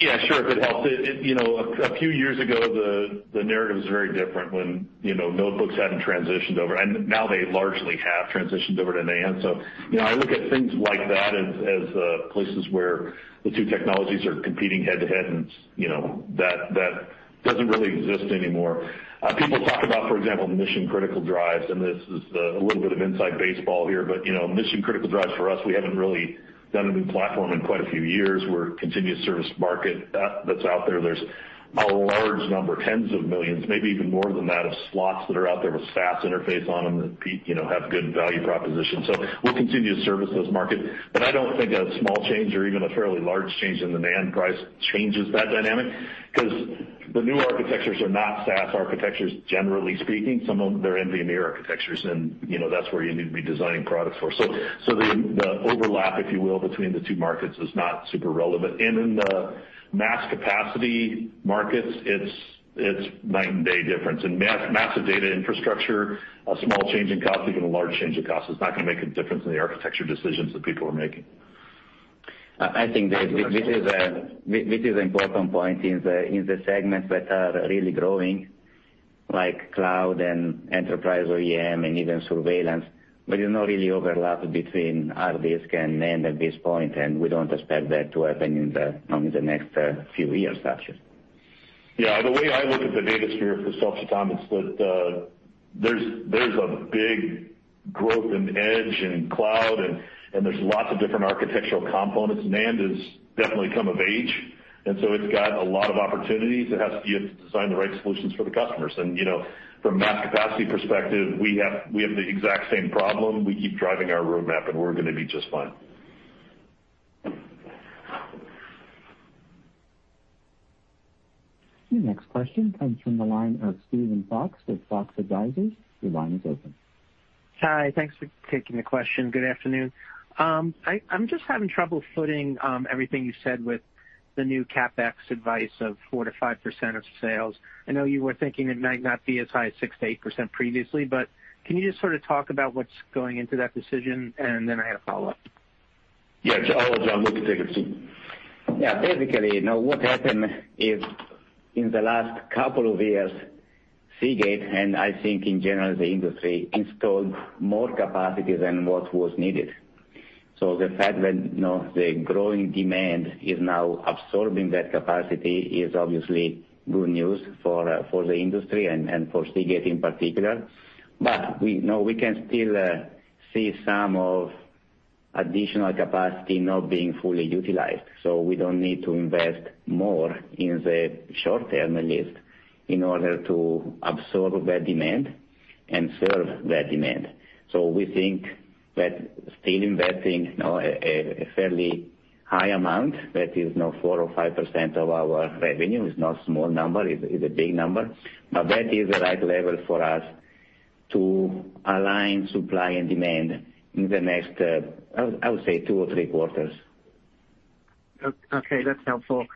Yeah, sure. If it helps, a few years ago, the narrative was very different when notebooks hadn't transitioned over, and now they largely have transitioned over to NAND. I look at things like that as places where the two technologies are competing head-to-head, and that doesn't really exist anymore. People talk about, for example, mission-critical drives, and this is a little bit of inside baseball here, but mission-critical drives for us, we haven't really done a new platform in quite a few years. We're a continuous service market that's out there. There's a large number, tens of millions, maybe even more than that, of slots that are out there with SAS interface on them that have good value propositions. We'll continue to service those markets, but I don't think a small change or even a fairly large change in the NAND price changes that dynamic because the new architectures are not SAS architectures, generally speaking. Some of them, they're NVMe architectures, and that's where you need to be designing products for. The overlap, if you will, between the two markets is not super relevant. In the mass capacity markets, it's night and day difference. In massive data infrastructure, a small change in cost, even a large change of cost, is not going to make a difference in the architecture decisions that people are making. I think this is an important point in the segments that are really growing, like cloud and enterprise OEM and even surveillance. There's no really overlap between hard disk and NAND at this point. We don't expect that to happen in the next few years actually. Yeah. The way I look at the data sphere for [self-autonomy] is that there's a big growth in edge and cloud. There's lots of different architectural components. NAND has definitely come of age. It's got a lot of opportunities. It has to be able to design the right solutions for the customers. From a mass capacity perspective, we have the exact same problem. We keep driving our roadmap. We're going to be just fine. The next question comes from the line of Steven Fox with Fox Advisors. Hi. Thanks for taking the question. Good afternoon. I'm just having trouble footing everything you said with the new CapEx advice of 4%-5% of sales. I know you were thinking it might not be as high as 6%-8% previously, but can you just sort of talk about what's going into that decision? I have a follow-up. Yeah. I'll let Gianluca take it. Yeah. Basically, what happened is in the last couple of years, Seagate, and I think in general, the industry, installed more capacity than what was needed. The fact that the growing demand is now absorbing that capacity is obviously good news for the industry and for Seagate in particular. We can still see some of additional capacity not being fully utilized, so we don't need to invest more in the short term, at least, in order to absorb that demand and serve that demand. We think that still investing a fairly high amount, that is 4% or 5% of our revenue, is not a small number, it is a big number, but that is the right level for us to align supply and demand in the next, I would say, two or three quarters. That's helpful.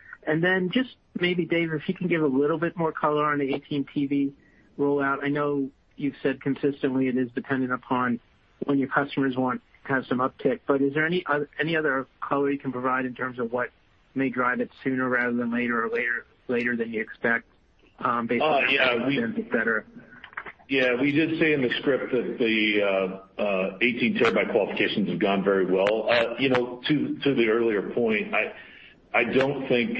Just maybe, Dave, if you can give a little bit more color on the 18 TB rollout. I know you've said consistently it is dependent upon when your customers want to have some uptick, is there any other color you can provide in terms of what may drive it sooner rather than later or later than you expect? Yeah, we did say in the script that the 18 TB qualifications have gone very well. To the earlier point, I don't think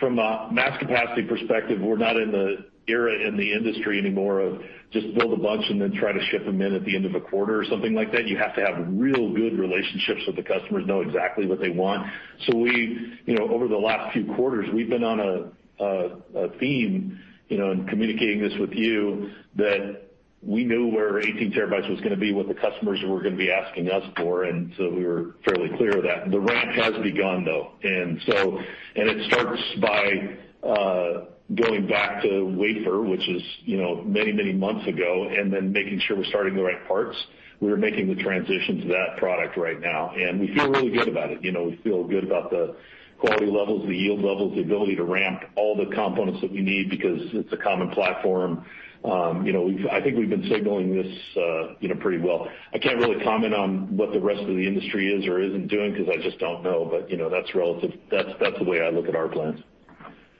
from a mass capacity perspective, we're not in the era in the industry anymore of just build a bunch and then try to ship them in at the end of a quarter or something like that. You have to have real good relationships with the customers, know exactly what they want. Over the last few quarters, we've been on a theme, in communicating this with you, that we knew where 18 TB was going to be, what the customers were going to be asking us for, we were fairly clear of that. The ramp has begun, though. It starts by going back to wafer, which is many, many months ago, making sure we're starting the right parts. We are making the transition to that product right now, and we feel really good about it. We feel good about the quality levels, the yield levels, the ability to ramp all the components that we need because it's a common platform. I think we've been signaling this pretty well. I can't really comment on what the rest of the industry is or isn't doing because I just don't know, but that's the way I look at our plans.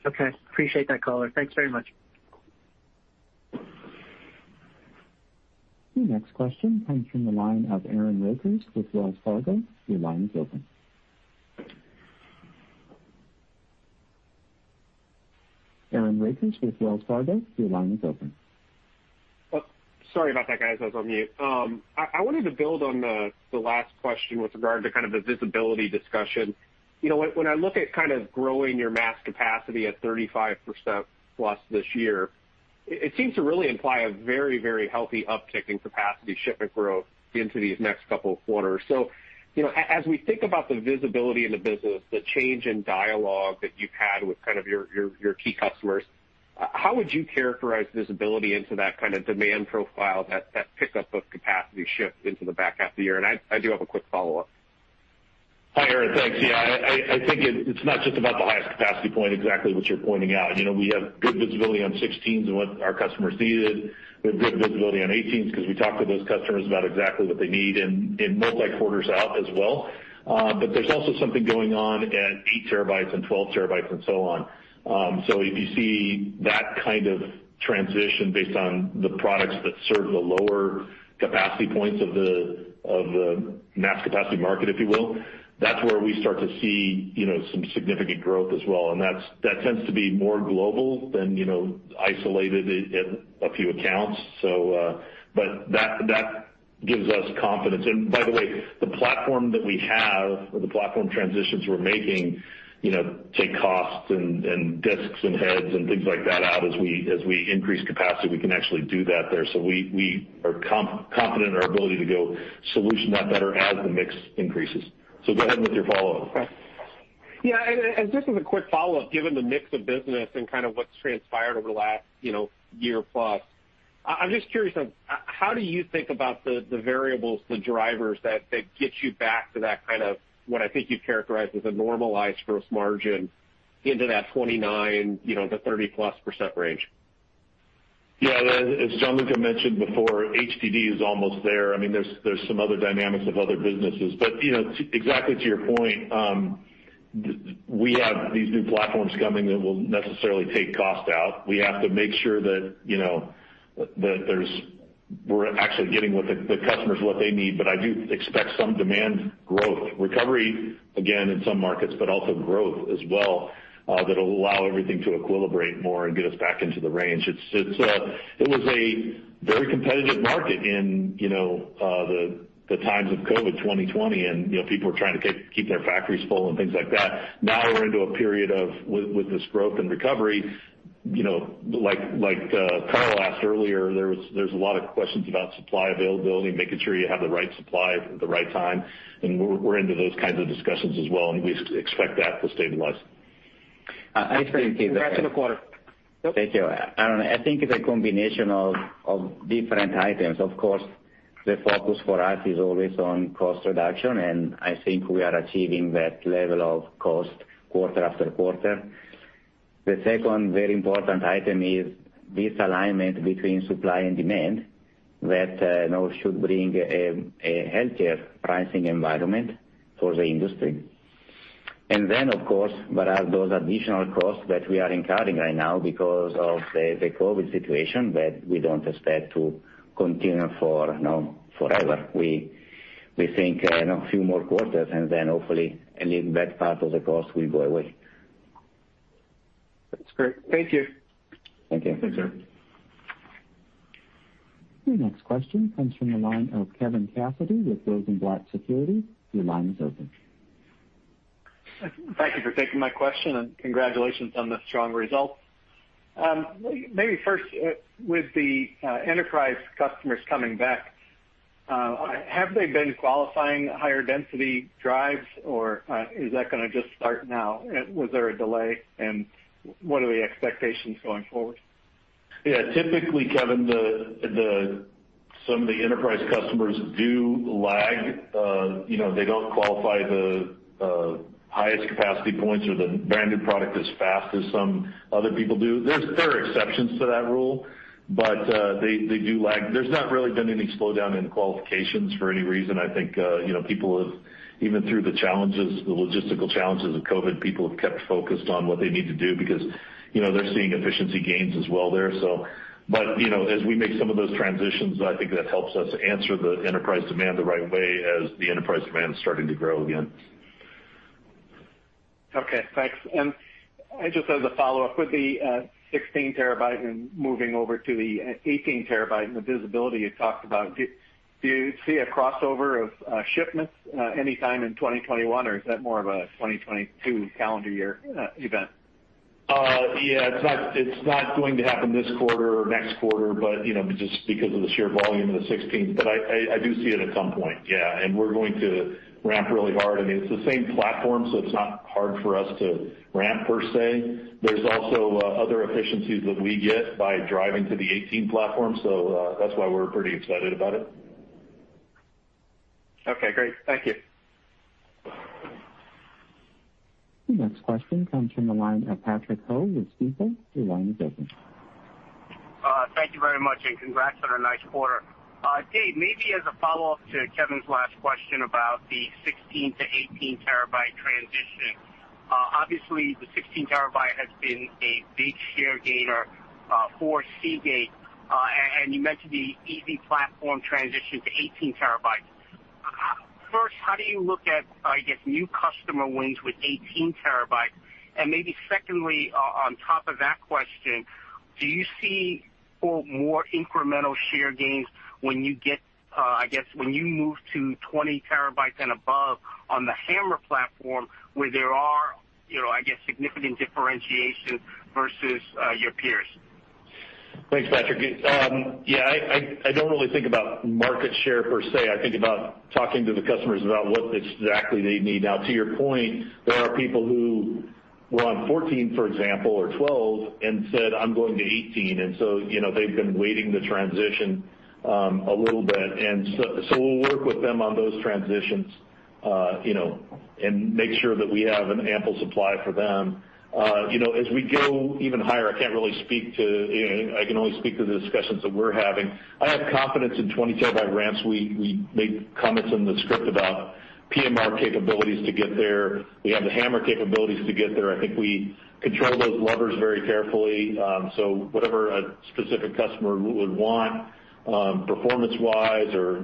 Okay. Appreciate that color. Thanks very much. The next question comes from the line of Aaron Rakers with Wells Fargo. Your line is open. Aaron Rakers with Wells Fargo, your line is open. Sorry about that, guys. I was on mute. I wanted to build on the last question with regard to kind of the visibility discussion. When I look at kind of growing your mass capacity at 35% plus this year, it seems to really imply a very, very healthy uptick in capacity shipment growth into these next couple of quarters. As we think about the visibility in the business, the change in dialogue that you've had with kind of your key customers, how would you characterize visibility into that kind of demand profile that picks up both capacity shift into the back half of the year? I do have a quick follow-up. Hi, Aaron. Thanks. Yeah, I think it's not just about the highest capacity point, exactly what you're pointing out. We have good visibility on 16s and what our customers needed. We have good visibility on 18s because we talk to those customers about exactly what they need and multi-quarters out as well. There's also something going on at 8 TB and 12 TB and so on. If you see that kind of transition based on the products that serve the lower capacity points of the mass capacity market, if you will, that's where we start to see some significant growth as well. That tends to be more global than isolated in a few accounts. That gives us confidence. By the way, the platform that we have or the platform transitions we're making, take costs and disks and heads and things like that out as we increase capacity, we can actually do that there. We are confident in our ability to go solution that better as the mix increases. Go ahead with your follow-up. Okay. Yeah, just as a quick follow-up, given the mix of business and kind of what's transpired over the last year plus, I'm just curious on how do you think about the variables, the drivers that get you back to that kind of, what I think you characterized as a normalized gross margin into that 29%, the 30%+ range? Yeah. As Gianluca mentioned before, HDD is almost there. There's some other dynamics of other businesses, but exactly to your point, we have these new platforms coming that will necessarily take cost out. We have to make sure that we're actually getting the customers what they need. I do expect some demand growth. Recovery, again, in some markets, but also growth as well, that'll allow everything to equilibrate more and get us back into the range. It was a very competitive market in the times of COVID 2020, and people were trying to keep their factories full and things like that. Now we're into a period of, with this growth and recovery, like Karl asked earlier, there's a lot of questions about supply availability, making sure you have the right supply at the right time, and we're into those kinds of discussions as well, and we expect that to stabilize. I expect- Congrats on the quarter. Thank you. I think it's a combination of different items. Of course, the focus for us is always on cost reduction, and I think we are achieving that level of cost quarter after quarter. The second very important item is this alignment between supply and demand that should bring a healthier pricing environment for the industry. Then, of course, there are those additional costs that we are incurring right now because of the COVID situation that we don't expect to continue forever. We think a few more quarters, and then hopefully, a little bad part of the cost will go away. That's great. Thank you. Thank you. Thanks, Aaron. Your next question comes from the line of Kevin Cassidy with Rosenblatt Securities. Your line is open. Thank you for taking my question, and congratulations on the strong results. Maybe first, with the enterprise customers coming back, have they been qualifying higher density drives, or is that going to just start now? Was there a delay, and what are the expectations going forward? Yeah. Typically, Kevin, some of the enterprise customers do lag. They don't qualify the highest capacity points or the brand-new product as fast as some other people do. There are exceptions to that rule, but they do lag. There's not really been any slowdown in qualifications for any reason. I think people have, even through the logistical challenges of COVID, people have kept focused on what they need to do because they're seeing efficiency gains as well there. As we make some of those transitions, I think that helps us answer the enterprise demand the right way as the enterprise demand is starting to grow again. Okay, thanks. Just as a follow-up, with the 16 TB and moving over to the 18 TB and the visibility you talked about, do you see a crossover of shipments anytime in 2021, or is that more of a 2022 calendar year event? Yeah. It's not going to happen this quarter or next quarter, just because of the sheer volume of the 16. I do see it at some point. Yeah. We're going to ramp really hard. I mean, it's the same platform, so it's not hard for us to ramp per se. There's also other efficiencies that we get by driving to the 18 platform, so that's why we're pretty excited about it. Okay, great. Thank you. The next question comes from the line of Patrick Ho with Stifel. Your line is open. Thank you very much, congrats on a nice quarter. Dave, maybe as a follow-up to Kevin's last question about the 16-18 TB transition. Obviously, the 16 TB has been a big share gainer for Seagate, and you mentioned the easy platform transition to 18 TB. First, how do you look at, I guess, new customer wins with 18 TB? Maybe secondly, on top of that question, do you see more incremental share gains when you get, I guess, when you move to 20 TB and above on the HAMR platform where there are, I guess, significant differentiation versus your peers? Thanks, Patrick. Yeah, I don't really think about market share per se. I think about talking to the customers about what exactly they need. To your point, there are people Well, on 14, for example, or 12 and said, "I'm going to 18." They've been waiting the transition a little bit. We'll work with them on those transitions, and make sure that we have an ample supply for them. As we go even higher, I can't really speak to. I can only speak to the discussions that we're having. I have confidence in 20 TB ramps. We made comments in the script about PMR capabilities to get there. We have the HAMR capabilities to get there. I think we control those levers very carefully. Whatever a specific customer would want performance-wise or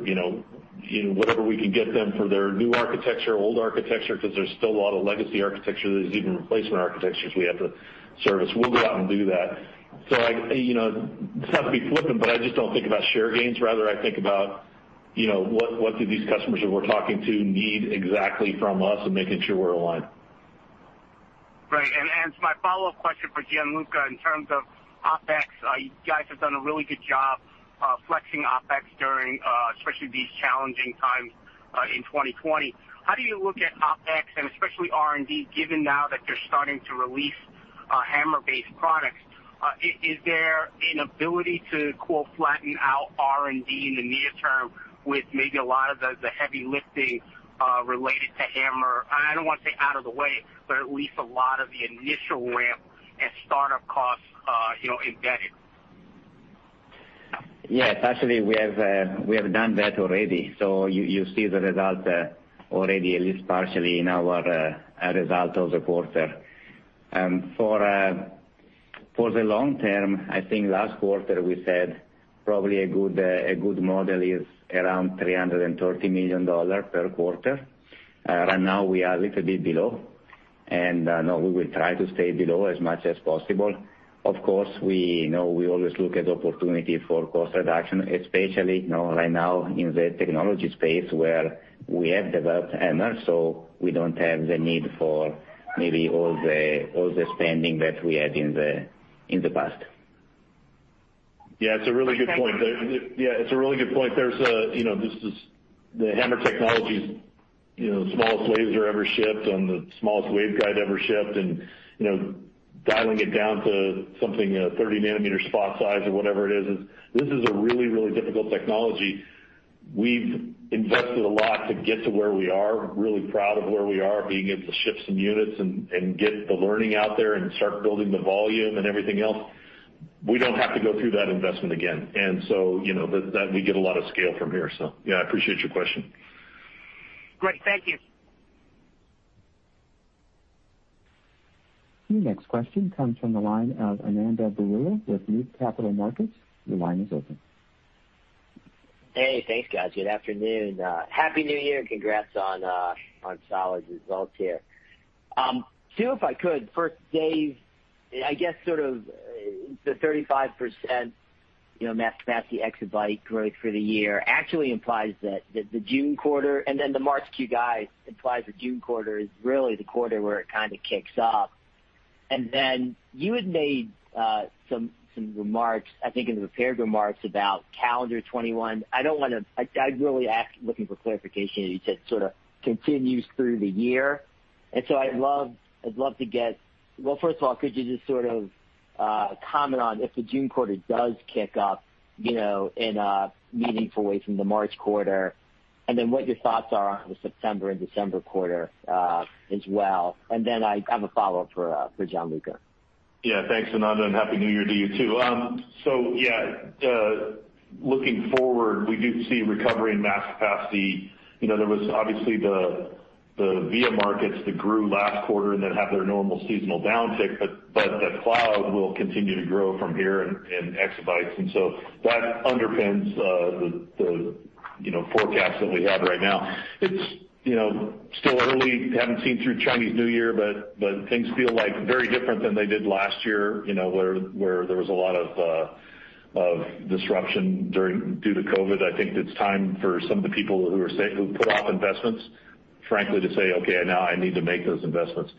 whatever we can get them for their new architecture, old architecture, because there's still a lot of legacy architecture that is even replacement architectures we have to service. We'll go out and do that. I sound to be flippant, but I just don't think about share gains. Rather, I think about what do these customers that we're talking to need exactly from us and making sure we're aligned. Right. As my follow-up question for Gianluca, in terms of OpEx, you guys have done a really good job flexing OpEx during especially these challenging times in 2020. How do you look at OpEx and especially R&D, given now that you're starting to release HAMR-based products? Is there an ability to, quote, "flatten out" R&D in the near term with maybe a lot of the heavy lifting related to HAMR? I don't want to say out of the way, but at least a lot of the initial ramp and startup costs embedded? Yes, actually, we have done that already. You see the result already, at least partially in our result of the quarter. For the long term, I think last quarter we said probably a good model is around $330 million per quarter. Right now, we are a little bit below, and we will try to stay below as much as possible. Of course, we always look at opportunity for cost reduction, especially right now in the technology space where we have developed HAMR, so we don't have the need for maybe all the spending that we had in the past. It's a really good point. This is the HAMR technology's smallest laser ever shipped and the smallest waveguide ever shipped, dialing it down to something, a 30-nanometer spot size or whatever it is. This is a really difficult technology. We've invested a lot to get to where we are. Really proud of where we are, being able to ship some units and get the learning out there and start building the volume and everything else. We don't have to go through that investment again. We get a lot of scale from here. I appreciate your question. Great. Thank you. The next question comes from the line of Ananda Baruah with Loop Capital Markets. Your line is open. Hey, thanks, guys. Good afternoon. Happy New Year, and congrats on solid results here. Two, if I could, first, Dave, I guess sort of the 35% mass capacity exabyte growth for the year actually implies that the June quarter, and then the March quarter guide implies the June quarter is really the quarter where it kind of kicks off. You had made some remarks, I think in the prepared remarks about calendar 2021. I really ask looking for clarification, you said sort of continues through the year. So I'd love to get— well, first of all, could you just sort of comment on if the June quarter does kick off in a meaningful way from the March quarter, and then what your thoughts are on the September and December quarter as well. I have a follow-up for Gianluca? Yeah, thanks, Ananda, and Happy New Year to you, too. Looking forward, we do see recovery in mass capacity. There was obviously the VIA markets that grew last quarter and then have their normal seasonal downtick, the cloud will continue to grow from here in exabytes. That underpins the forecast that we have right now. It's still early. Haven't seen through Chinese New Year, things feel like very different than they did last year, where there was a lot of disruption due to COVID. I think it's time for some of the people who put off investments, frankly, to say, "Okay, now I need to make those investments."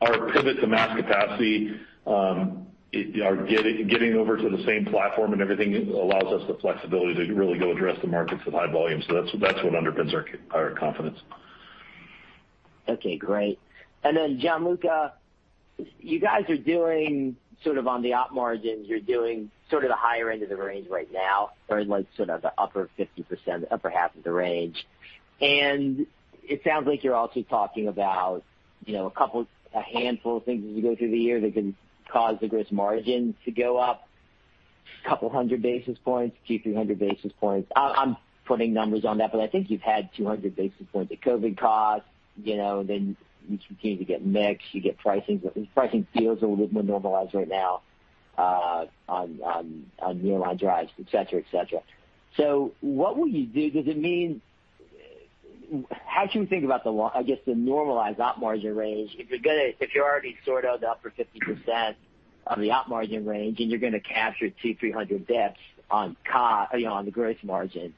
Our pivot to mass capacity, getting over to the same platform and everything allows us the flexibility to really go address the markets with high volume. That's what underpins our confidence. Okay, great. Gianluca, you guys are doing sort of on the op margins, you're doing sort of the higher end of the range right now, or like sort of the upper 50%, upper half of the range. It sounds like you're also talking about a handful of things as you go through the year that can cause the gross margin to go up a couple hundred basis points, 200-300 basis points. I'm putting numbers on that, but I think you've had 200 basis points of COVID costs. You continue to get mix, you get pricing. Pricing feels a little bit more normalized right now on nearline drives, et cetera. What will you do? Does it mean how should we think about, I guess, the normalized op margin range? If you're already sort of the upper 50% of the op margin range and you're going to capture 200, 300 basis points on the gross margin,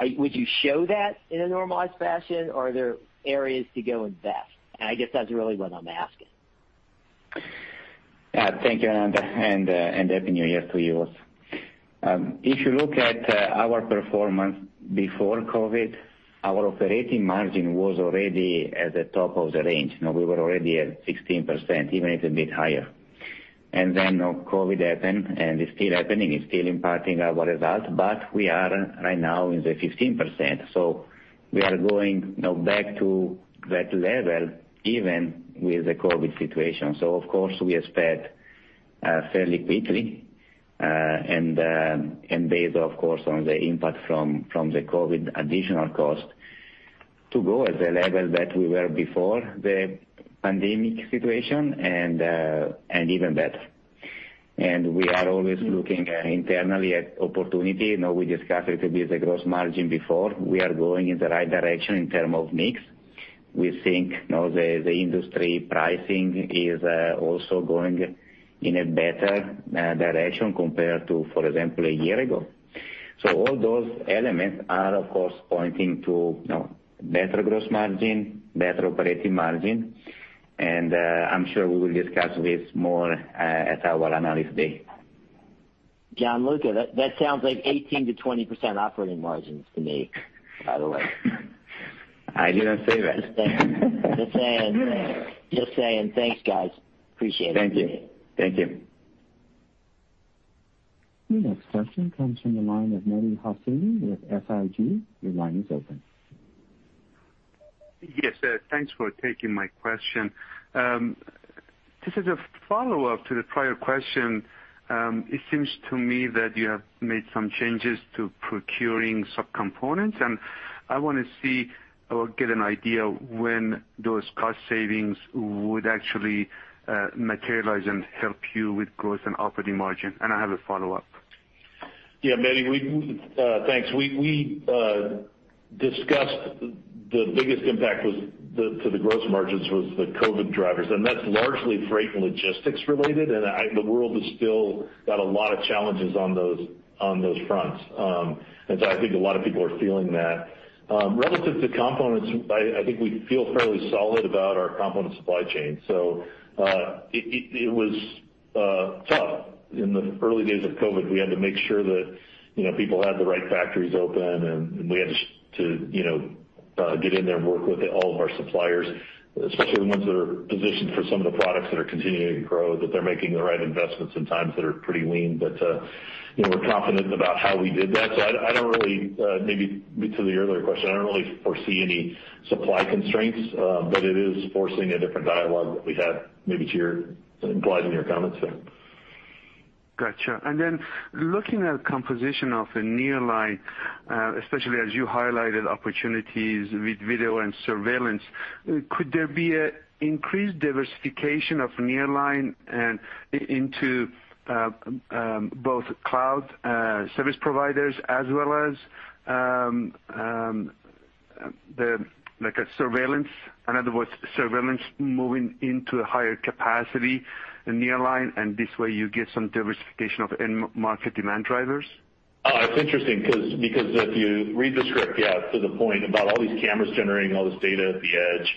would you show that in a normalized fashion or are there areas to go invest? I guess that's really what I'm asking. Thank you, Ananda. Happy New Year to you all. If you look at our performance before COVID, our operating margin was already at the top of the range. We were already at 16%, even a little bit higher. COVID happened. It's still happening, it's still impacting our results. We are right now in the 15%. We are going back to that level even with the COVID situation. Of course, we expect fairly quickly, and based, of course, on the impact from the COVID additional cost, to go at the level that we were before the pandemic situation and even better. We are always looking internally at opportunity. We discussed a little bit the gross margin before. We are going in the right direction in terms of mix. We think now the industry pricing is also going in a better direction compared to, for example, a year ago. All those elements are, of course, pointing to better gross margin, better operating margin, and I'm sure we will discuss this more at our Analyst Day. Gianluca, that sounds like 18%-20% operating margins to me, by the way. I didn't say that. Just saying. Thanks, guys. Appreciate it. Thank you. The next question comes from the line of Mehdi Hosseini with SIG. Your line is open. Yes. Thanks for taking my question. This is a follow-up to the prior question. It seems to me that you have made some changes to procuring sub-components, and I want to see or get an idea when those cost savings would actually materialize and help you with growth and operating margin? I have a follow-up. Yeah, Mehdi. Thanks. We discussed the biggest impact to the gross margins was the COVID drivers, and that's largely freight and logistics related, and the world has still got a lot of challenges on those fronts. I think a lot of people are feeling that. Relative to components, I think we feel fairly solid about our component supply chain. It was tough in the early days of COVID. We had to make sure that people had the right factories open, and we had to get in there and work with all of our suppliers, especially the ones that are positioned for some of the products that are continuing to grow, that they're making the right investments in times that are pretty lean. We're confident about how we did that. Maybe to the earlier question, I don't really foresee any supply constraints, but it is forcing a different dialogue that we had maybe implied in your comments there. Got you. Looking at composition of the nearline, especially as you highlighted opportunities with video and surveillance, could there be an increased diversification of Nearline and into both cloud service providers as well as like a surveillance? In other words, surveillance moving into a higher capacity in nearline, and this way you get some diversification of end market demand drivers? It's interesting because if you read the script, yeah, to the point about all these cameras generating all this data at the edge.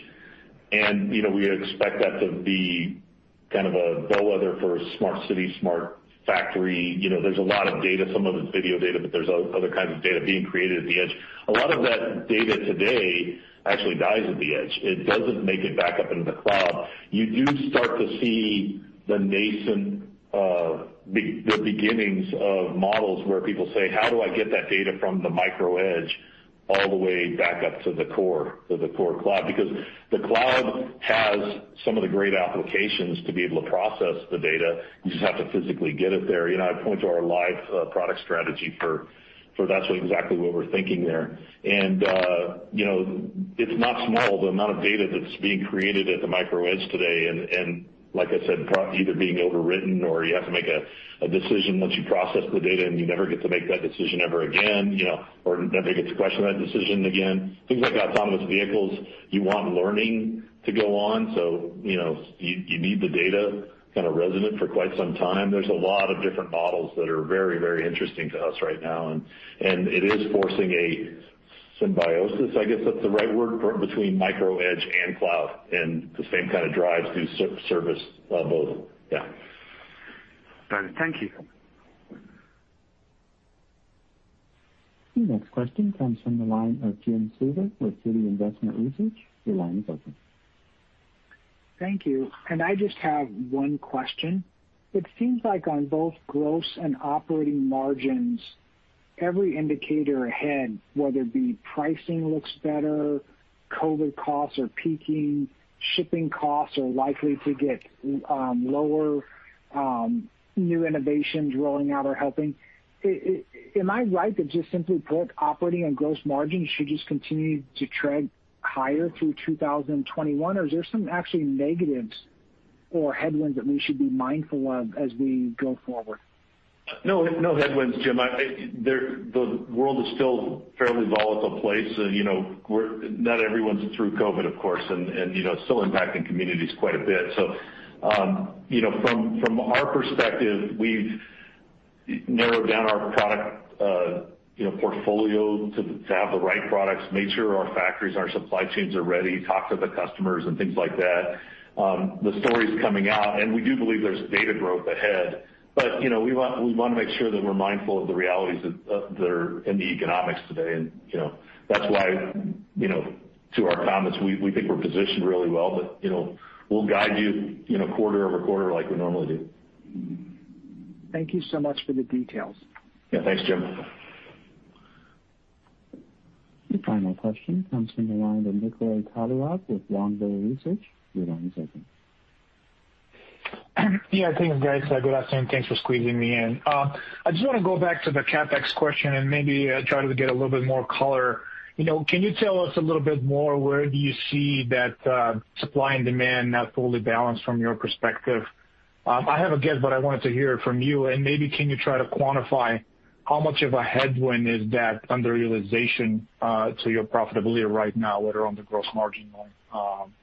We expect that to be kind of a bellwether for smart city, smart factory. There's a lot of data. Some of it's video data, but there's other kinds of data being created at the edge. A lot of that data today actually dies at the edge. It doesn't make it back up into the cloud. You do start to see the nascent, the beginnings of models where people say, "How do I get that data from the micro edge all the way back up to the core cloud?" The cloud has some of the great applications to be able to process the data. You just have to physically get it there. I point to our Lyve product strategy for that's exactly what we're thinking there. It's not small, the amount of data that's being created at the micro edge today, like I said, either being overwritten or you have to make a decision once you process the data, and you never get to make that decision ever again, or never get to question that decision again. Things like autonomous vehicles, you want learning to go on, so you need the data kind of resident for quite some time. There's a lot of different models that are very interesting to us right now. It is forcing a symbiosis, I guess that's the right word, between micro edge and cloud. The same kind of drives the service of both. Yeah. Got it. Thank you. The next question comes from the line of Jim Suva with Citi Investment Research. Your line is open. Thank you. I just have one question. It seems like on both gross and operating margins, every indicator ahead, whether it be pricing looks better, COVID costs are peaking, shipping costs are likely to get lower, new innovations rolling out are helping. Am I right that just simply put, operating and gross margins should just continue to trend higher through 2021? Is there some actually negatives or headwinds that we should be mindful of as we go forward? No headwinds, Jim. The world is still a fairly volatile place. Not everyone's through COVID, of course, and it's still impacting communities quite a bit. From our perspective, we've narrowed down our product portfolio to have the right products, make sure our factories and our supply chains are ready, talk to the customers, and things like that. The story's coming out, we do believe there's data growth ahead, we want to make sure that we're mindful of the realities that are in the economics today. That's why, to our comments, we think we're positioned really well. We'll guide you quarter-over-quarter like we normally do. Thank you so much for the details. Yeah. Thanks, Jim. Your final question comes from the line of Nikolay Todorov with Longbow Research. Your line is open. Yeah, thanks, guys. Good afternoon. Thanks for squeezing me in. I just want to go back to the CapEx question and maybe try to get a little bit more color. Can you tell us a little bit more, where do you see that supply and demand not fully balanced from your perspective? I have a guess, I wanted to hear it from you. Maybe can you try to quantify how much of a headwind is that underutilization to your profitability right now, whether on the gross margin line?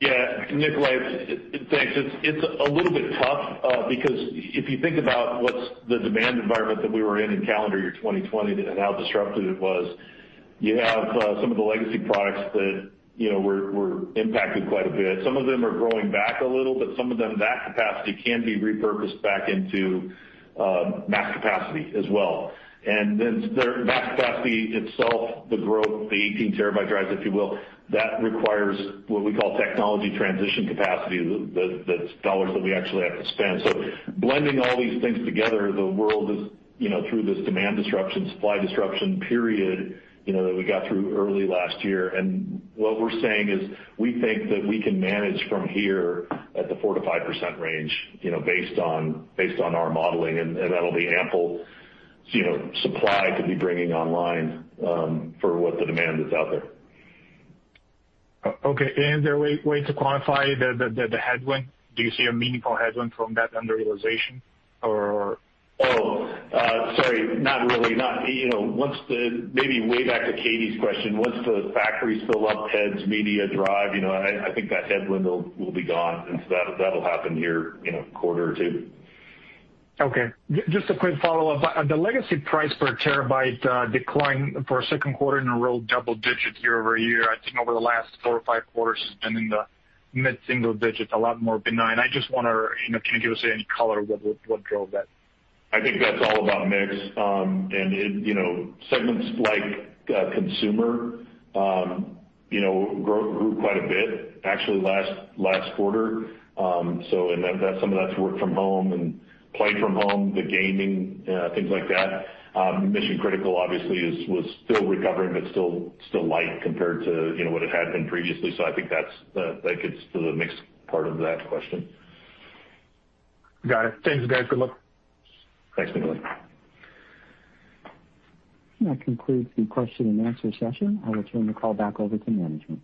Yeah. Nikolay, thanks. It's a little bit tough because if you think about what's the demand environment that we were in calendar year 2020 and how disruptive it was, you have some of the legacy products that were impacted quite a bit. Some of them are growing back a little, but some of them, that capacity can be repurposed back into mass capacity as well. That capacity itself, the growth, the 18-TB drives, if you will, that requires what we call technology transition capacity, the dollars that we actually have to spend. Blending all these things together, the world is through this demand disruption, supply disruption period that we got through early last year. What we're saying is we think that we can manage from here at the 4%-5% range based on our modeling. That'll be ample supply to be bringing online for what the demand is out there. Okay. Is there a way to quantify the headwind? Do you see a meaningful headwind from that underutilization or? Oh, sorry. Not really. Maybe way back to Katy's question. Once the factories fill up heads, media drive I think that headwind will be gone. That'll happen here in a quarter or two. Okay. Just a quick follow-up. The legacy price per terabyte decline for second quarter in a row, double digits year-over-year, I think over the last four or five quarters has been in the mid-single digits, a lot more benign. I just wonder, can you give us any color what drove that? I think that's all about mix. Segments like consumer grew quite a bit actually last quarter. Some of that's work from home and play from home, the gaming, things like that. Mission-critical obviously was still recovering, but still light compared to what it had been previously. I think that gets to the mix part of that question. Got it. Thanks, guys. Good luck. Thanks, Nikolay. That concludes the question and answer session. I'll return the call back over to management.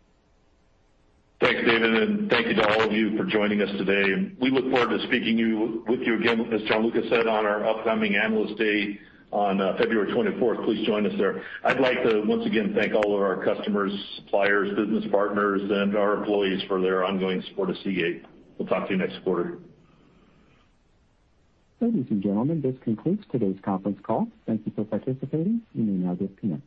Thanks, David, and thank you to all of you for joining us today. We look forward to speaking with you again, as Gianluca said, on our upcoming Analyst Day on February 24th. Please join us there. I'd like to once again thank all of our customers, suppliers, business partners, and our employees for their ongoing support of Seagate. We'll talk to you next quarter. Ladies and gentlemen, this concludes today's conference call. Thank you for participating. You may now disconnect.